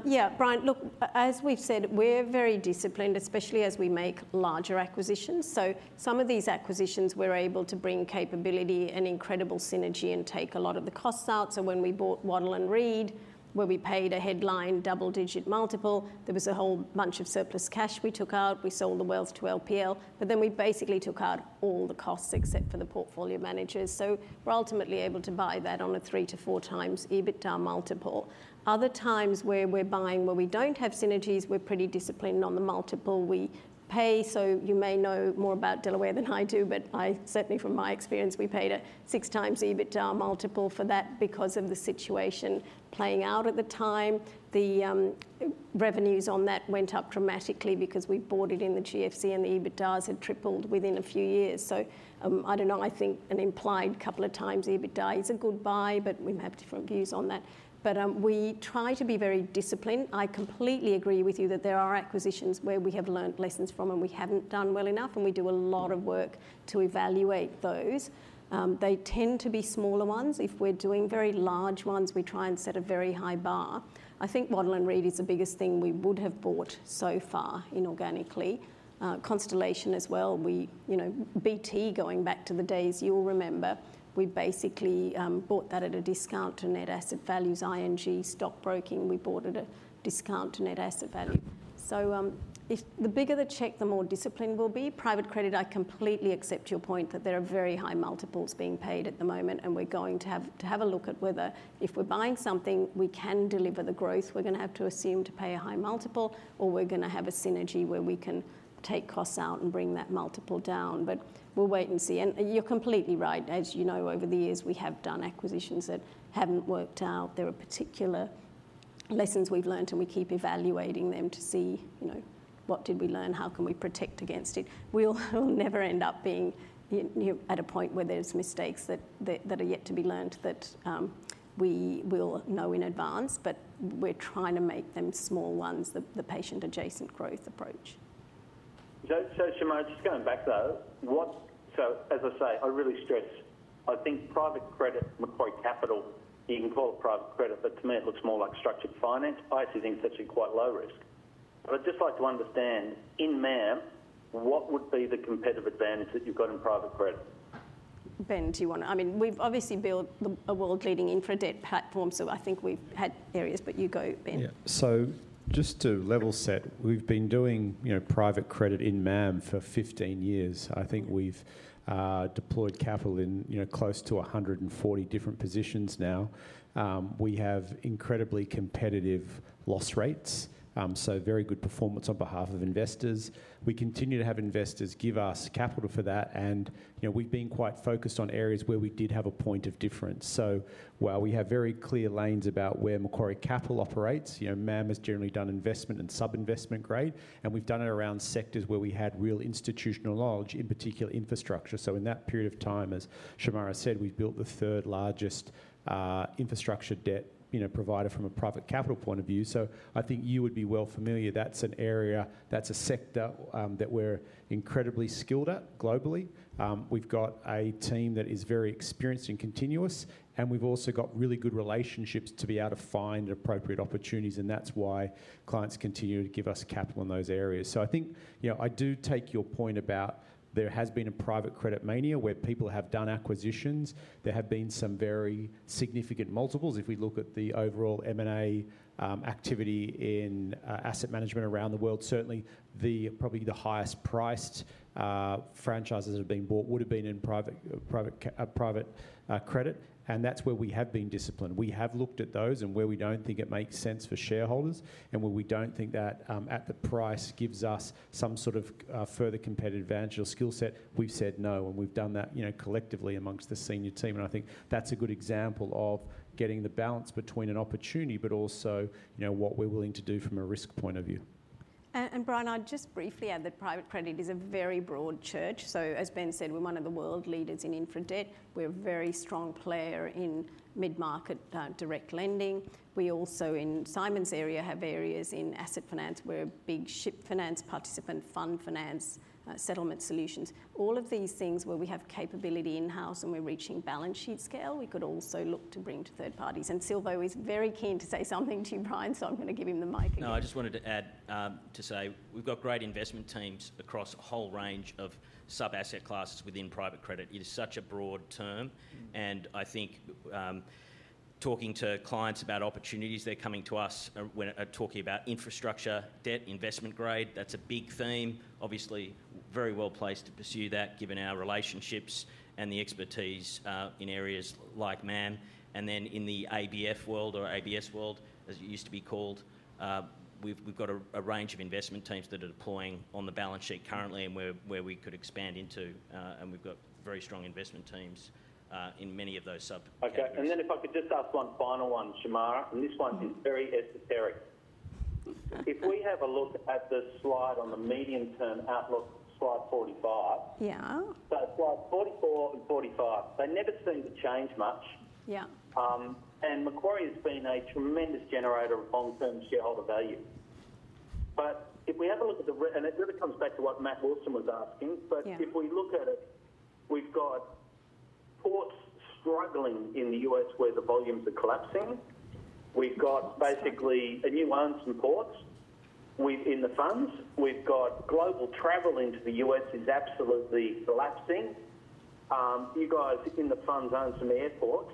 Yeah, Brian, look, as we've said, we are very disciplined, especially as we make larger acquisitions. So some of these acquisitions, we're able to bring capability and incredible synergy and take a lot of the costs out. So when we bought Waddell & Reed, where we paid a headline double-digit multiple, there was a whole bunch of surplus cash we took out. We sold the wealth to LPL, but then we basically took out all the costs except for the portfolio managers. So we're ultimately able to buy that on a three- to four-times EBITDA multiple. Other times where we're buying, where we don't have synergies, we're pretty disciplined on the multiple we pay. So you may know more about Delaware than I do, but I certainly, from my experience, we paid a six-times EBITDA multiple for that because of the situation playing out at the time. The revenues on that went up dramatically because we bought it in the GFC and the EBITDAs had tripled within a few years. So, I don't know, I think an implied couple of times EBITDA is a good buy, but we have different views on that. But, we try to be very disciplined. I completely agree with you that there are acquisitions where we have learned lessons from and we haven't done well enough. And we do a lot of work to evaluate those. They tend to be smaller ones. If we're doing very large ones, we try and set a very high bar. I think Waddell & Reed is the biggest thing we would have bought so far in organically. Constellation as well, we, you know, BT going back to the days you'll remember, we basically, bought that at a discount to net asset values, ING stock broking. We bought at a discount to net asset value. So, if the bigger the check, the more disciplined we'll be. Private credit, I completely accept your point that there are very high multiples being paid at the moment. And we're going to have to have a look at whether, if we're buying something, we can deliver the growth. We're gonna have to assume to pay a high multiple, or we're gonna have a synergy where we can take costs out and bring that multiple down. But we'll wait and see. And you're completely right. As you know, over the years, we have done acquisitions that haven't worked out. There are particular lessons we've learned and we keep evaluating them to see, you know, what did we learn? How can we protect against it? We'll never end up being, you know, at a point where there's mistakes that are yet to be learned that we will know in advance, but we are trying to make them small ones, the patient adjacent growth approach. So, Shemara, just going back though, what, so as I say, I really stress, I think private credit, Macquarie Capital, you can call it private credit, but to me it looks more like structured finance, it's a case you're quite low risk. But I'd just like to understand in MAM, what would be the competitive advantage that you've got in private credit? Ben, do you wanna? I mean, we've obviously built a world leading infra debt platform, so I think we've had areas, but you go, Ben. Yeah. So just to level set, we've been doing, you know, private credit in MAM for 15 years. I think we've deployed capital in, you know, close to 140 different positions now. We have incredibly competitive loss rates. So very good performance on behalf of investors. We continue to have investors give us capital for that. You know, we've been quite focused on areas where we did have a point of difference. So while we have very clear lanes about where Macquarie Capital operates, you know, MAM has generally done investment and sub-investment grade, and we've done it around sectors where we had real institutional knowledge, in particular infrastructure. So in that period of time, as Shemara said, we've built the third largest infrastructure debt, you know, provider from a private capital point of view. So I think you would be well familiar. That's an area, that's a sector, that we're incredibly skilled at globally. We've got a team that is very experienced and continuous, and we've also got really good relationships to be able to find appropriate opportunities. And that's why clients continue to give us capital in those areas. So I think, you know, I do take your point about there has been a private credit mania where people have done acquisitions. There have been some very significant multiples. If we look at the overall M&A activity in asset management around the world, certainly the probably highest priced franchises that have been bought would've been in private credit. And that's where we have been disciplined. We have looked at those and where we don't think it makes sense for shareholders and where we don't think that at the price gives us some sort of further competitive advantage or skillset. We've said no, and we've done that, you know, collectively amongst the senior team. And I think that's a good example of getting the balance between an opportunity, but also, you know, what we're willing to do from a risk point of view. Brian, I'd just briefly add that private credit is a very broad church. So as Ben said, we're one of the world leaders in infra debt. We are a very strong player in mid-market, direct lending. We also in Simon's area have areas in asset finance. We're a big ship finance participant, fund finance, settlement solutions. All of these things where we have capability in-house and we are reaching balance sheet scale, we could also look to bring to third parties. And Silver is very keen to say something to you, Brian, so I'm gonna give him the mic again. No, I just wanted to add, to say we've got great investment teams across a whole range of sub-asset classes within private credit. It is such a broad term.I think, talking to clients about opportunities they're coming to us when talking about infrastructure debt investment grade, that's a big theme. Obviously, very well placed to pursue that given our relationships and the expertise, in areas like MAM. And then in the ABF world or ABS world, as it used to be called, we've got a range of investment teams that are deploying on the balance sheet currently and where we could expand into, and we've got very strong investment teams, in many of those sub-assets. Okay. And then if I could just ask one final one, Shemara, and this one is very esoteric. If we have a look at the slide on the medium term outlook, slide 45. Yeah. So slide 44 and 45, they never seem to change much. Yeah. And Macquarie has been a tremendous generator of long-term shareholder value. But if we have a look at the real, and it really comes back to what Matt Wilson was asking. But if we look at it, we've got ports struggling in the U.S. where the volumes are collapsing. We've got basically and we own some ports within the funds. We've got global travel into the U.S. is absolutely collapsing. You guys in the funds own some airports.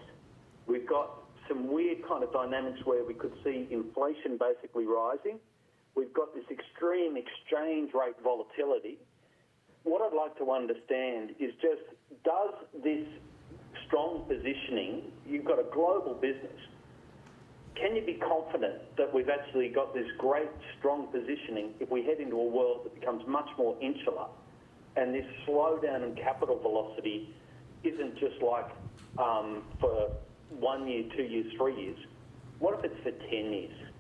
We've got some weird kind of dynamics where we could see inflation basically rising. We've got this extreme exchange rate volatility. What I'd like to understand is just, does this strong positioning, you've got a global business, can you be confident that we've actually got this great strong positioning if we head into a world that becomes much more insular and this slowdown in capital velocity isn't just like, for one year, two years, three years? What if it's for 10 years?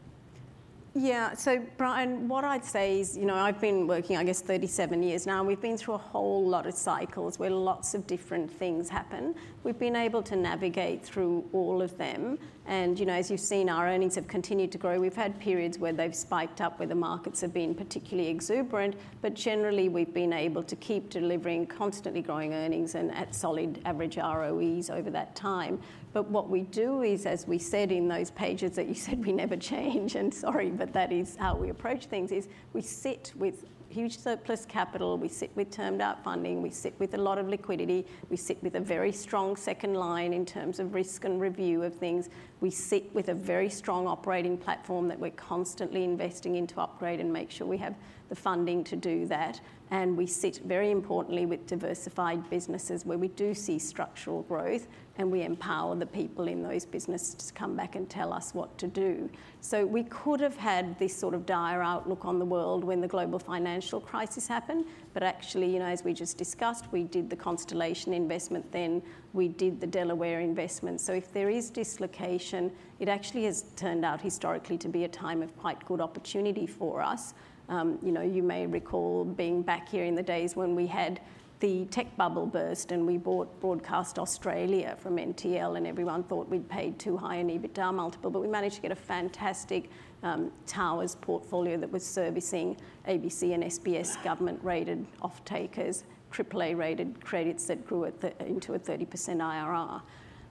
Yeah. Brian, what I'd say is, you know, I've been working, I guess, 37 years now. We've been through a whole lot of cycles where lots of different things happen. We've been able to navigate through all of them. And, you know, as you've seen, our earnings have continued to grow. We've had periods where they've spiked up where the markets have been particularly exuberant. But generally, we've been able to keep delivering constantly growing earnings and at solid average ROEs over that time. But what we do is, as we said in those pages that you said we never change, and sorry, but that is how we approach things, is we sit with huge surplus capital. We sit with termed out funding. We sit with a lot of liquidity. We sit with a very strong second line in terms of risk and review of things. We sit with a very strong operating platform that we're constantly investing into upgrade and make sure we have the funding to do that, and we sit, very importantly, with diversified businesses where we do see structural growth and we empower the people in those businesses to come back and tell us what to do. So we could have had this sort of dire outlook on the world when the global financial crisis happened, but actually, you know, as we just discussed, we did the Constellation investment, then we did the Delaware investment, so if there is dislocation, it actually has turned out historically to be a time of quite good opportunity for us. You know, you may recall being back here in the days when we had the tech bubble burst and we bought Broadcast Australia from NTL and everyone thought we'd paid too high an EBITDA multiple, but we managed to get a fantastic towers portfolio that was servicing ABC and SBS government-rated off-takers, AAA-rated credits that grew at the, into a 30%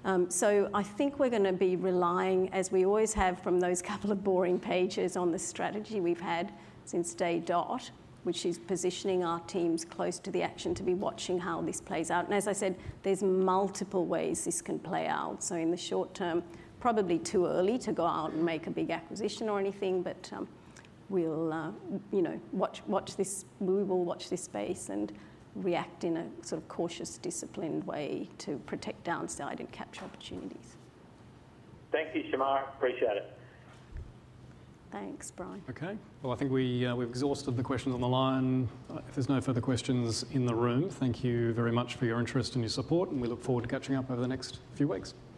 IRR. So I think we're gonna be relying, as we always have from those couple of boring pages on the strategy we've had since day dot, which is positioning our teams close to the action to be watching how this plays out. As I said, there's multiple ways this can play out. So in the short term, probably too early to go out and make a big acquisition or anything, but we'll, you know, watch, watch this. We will watch this space and react in a sort of cautious, disciplined way to protect downside and capture opportunities. Thank you, Shemara. Appreciate it. Thanks, Brian. Okay, well, I think we've exhausted the questions on the line. If there's no further questions in the room, thank you very much for your interest and your support, and we look forward to catching up over the next few weeks. Thank you.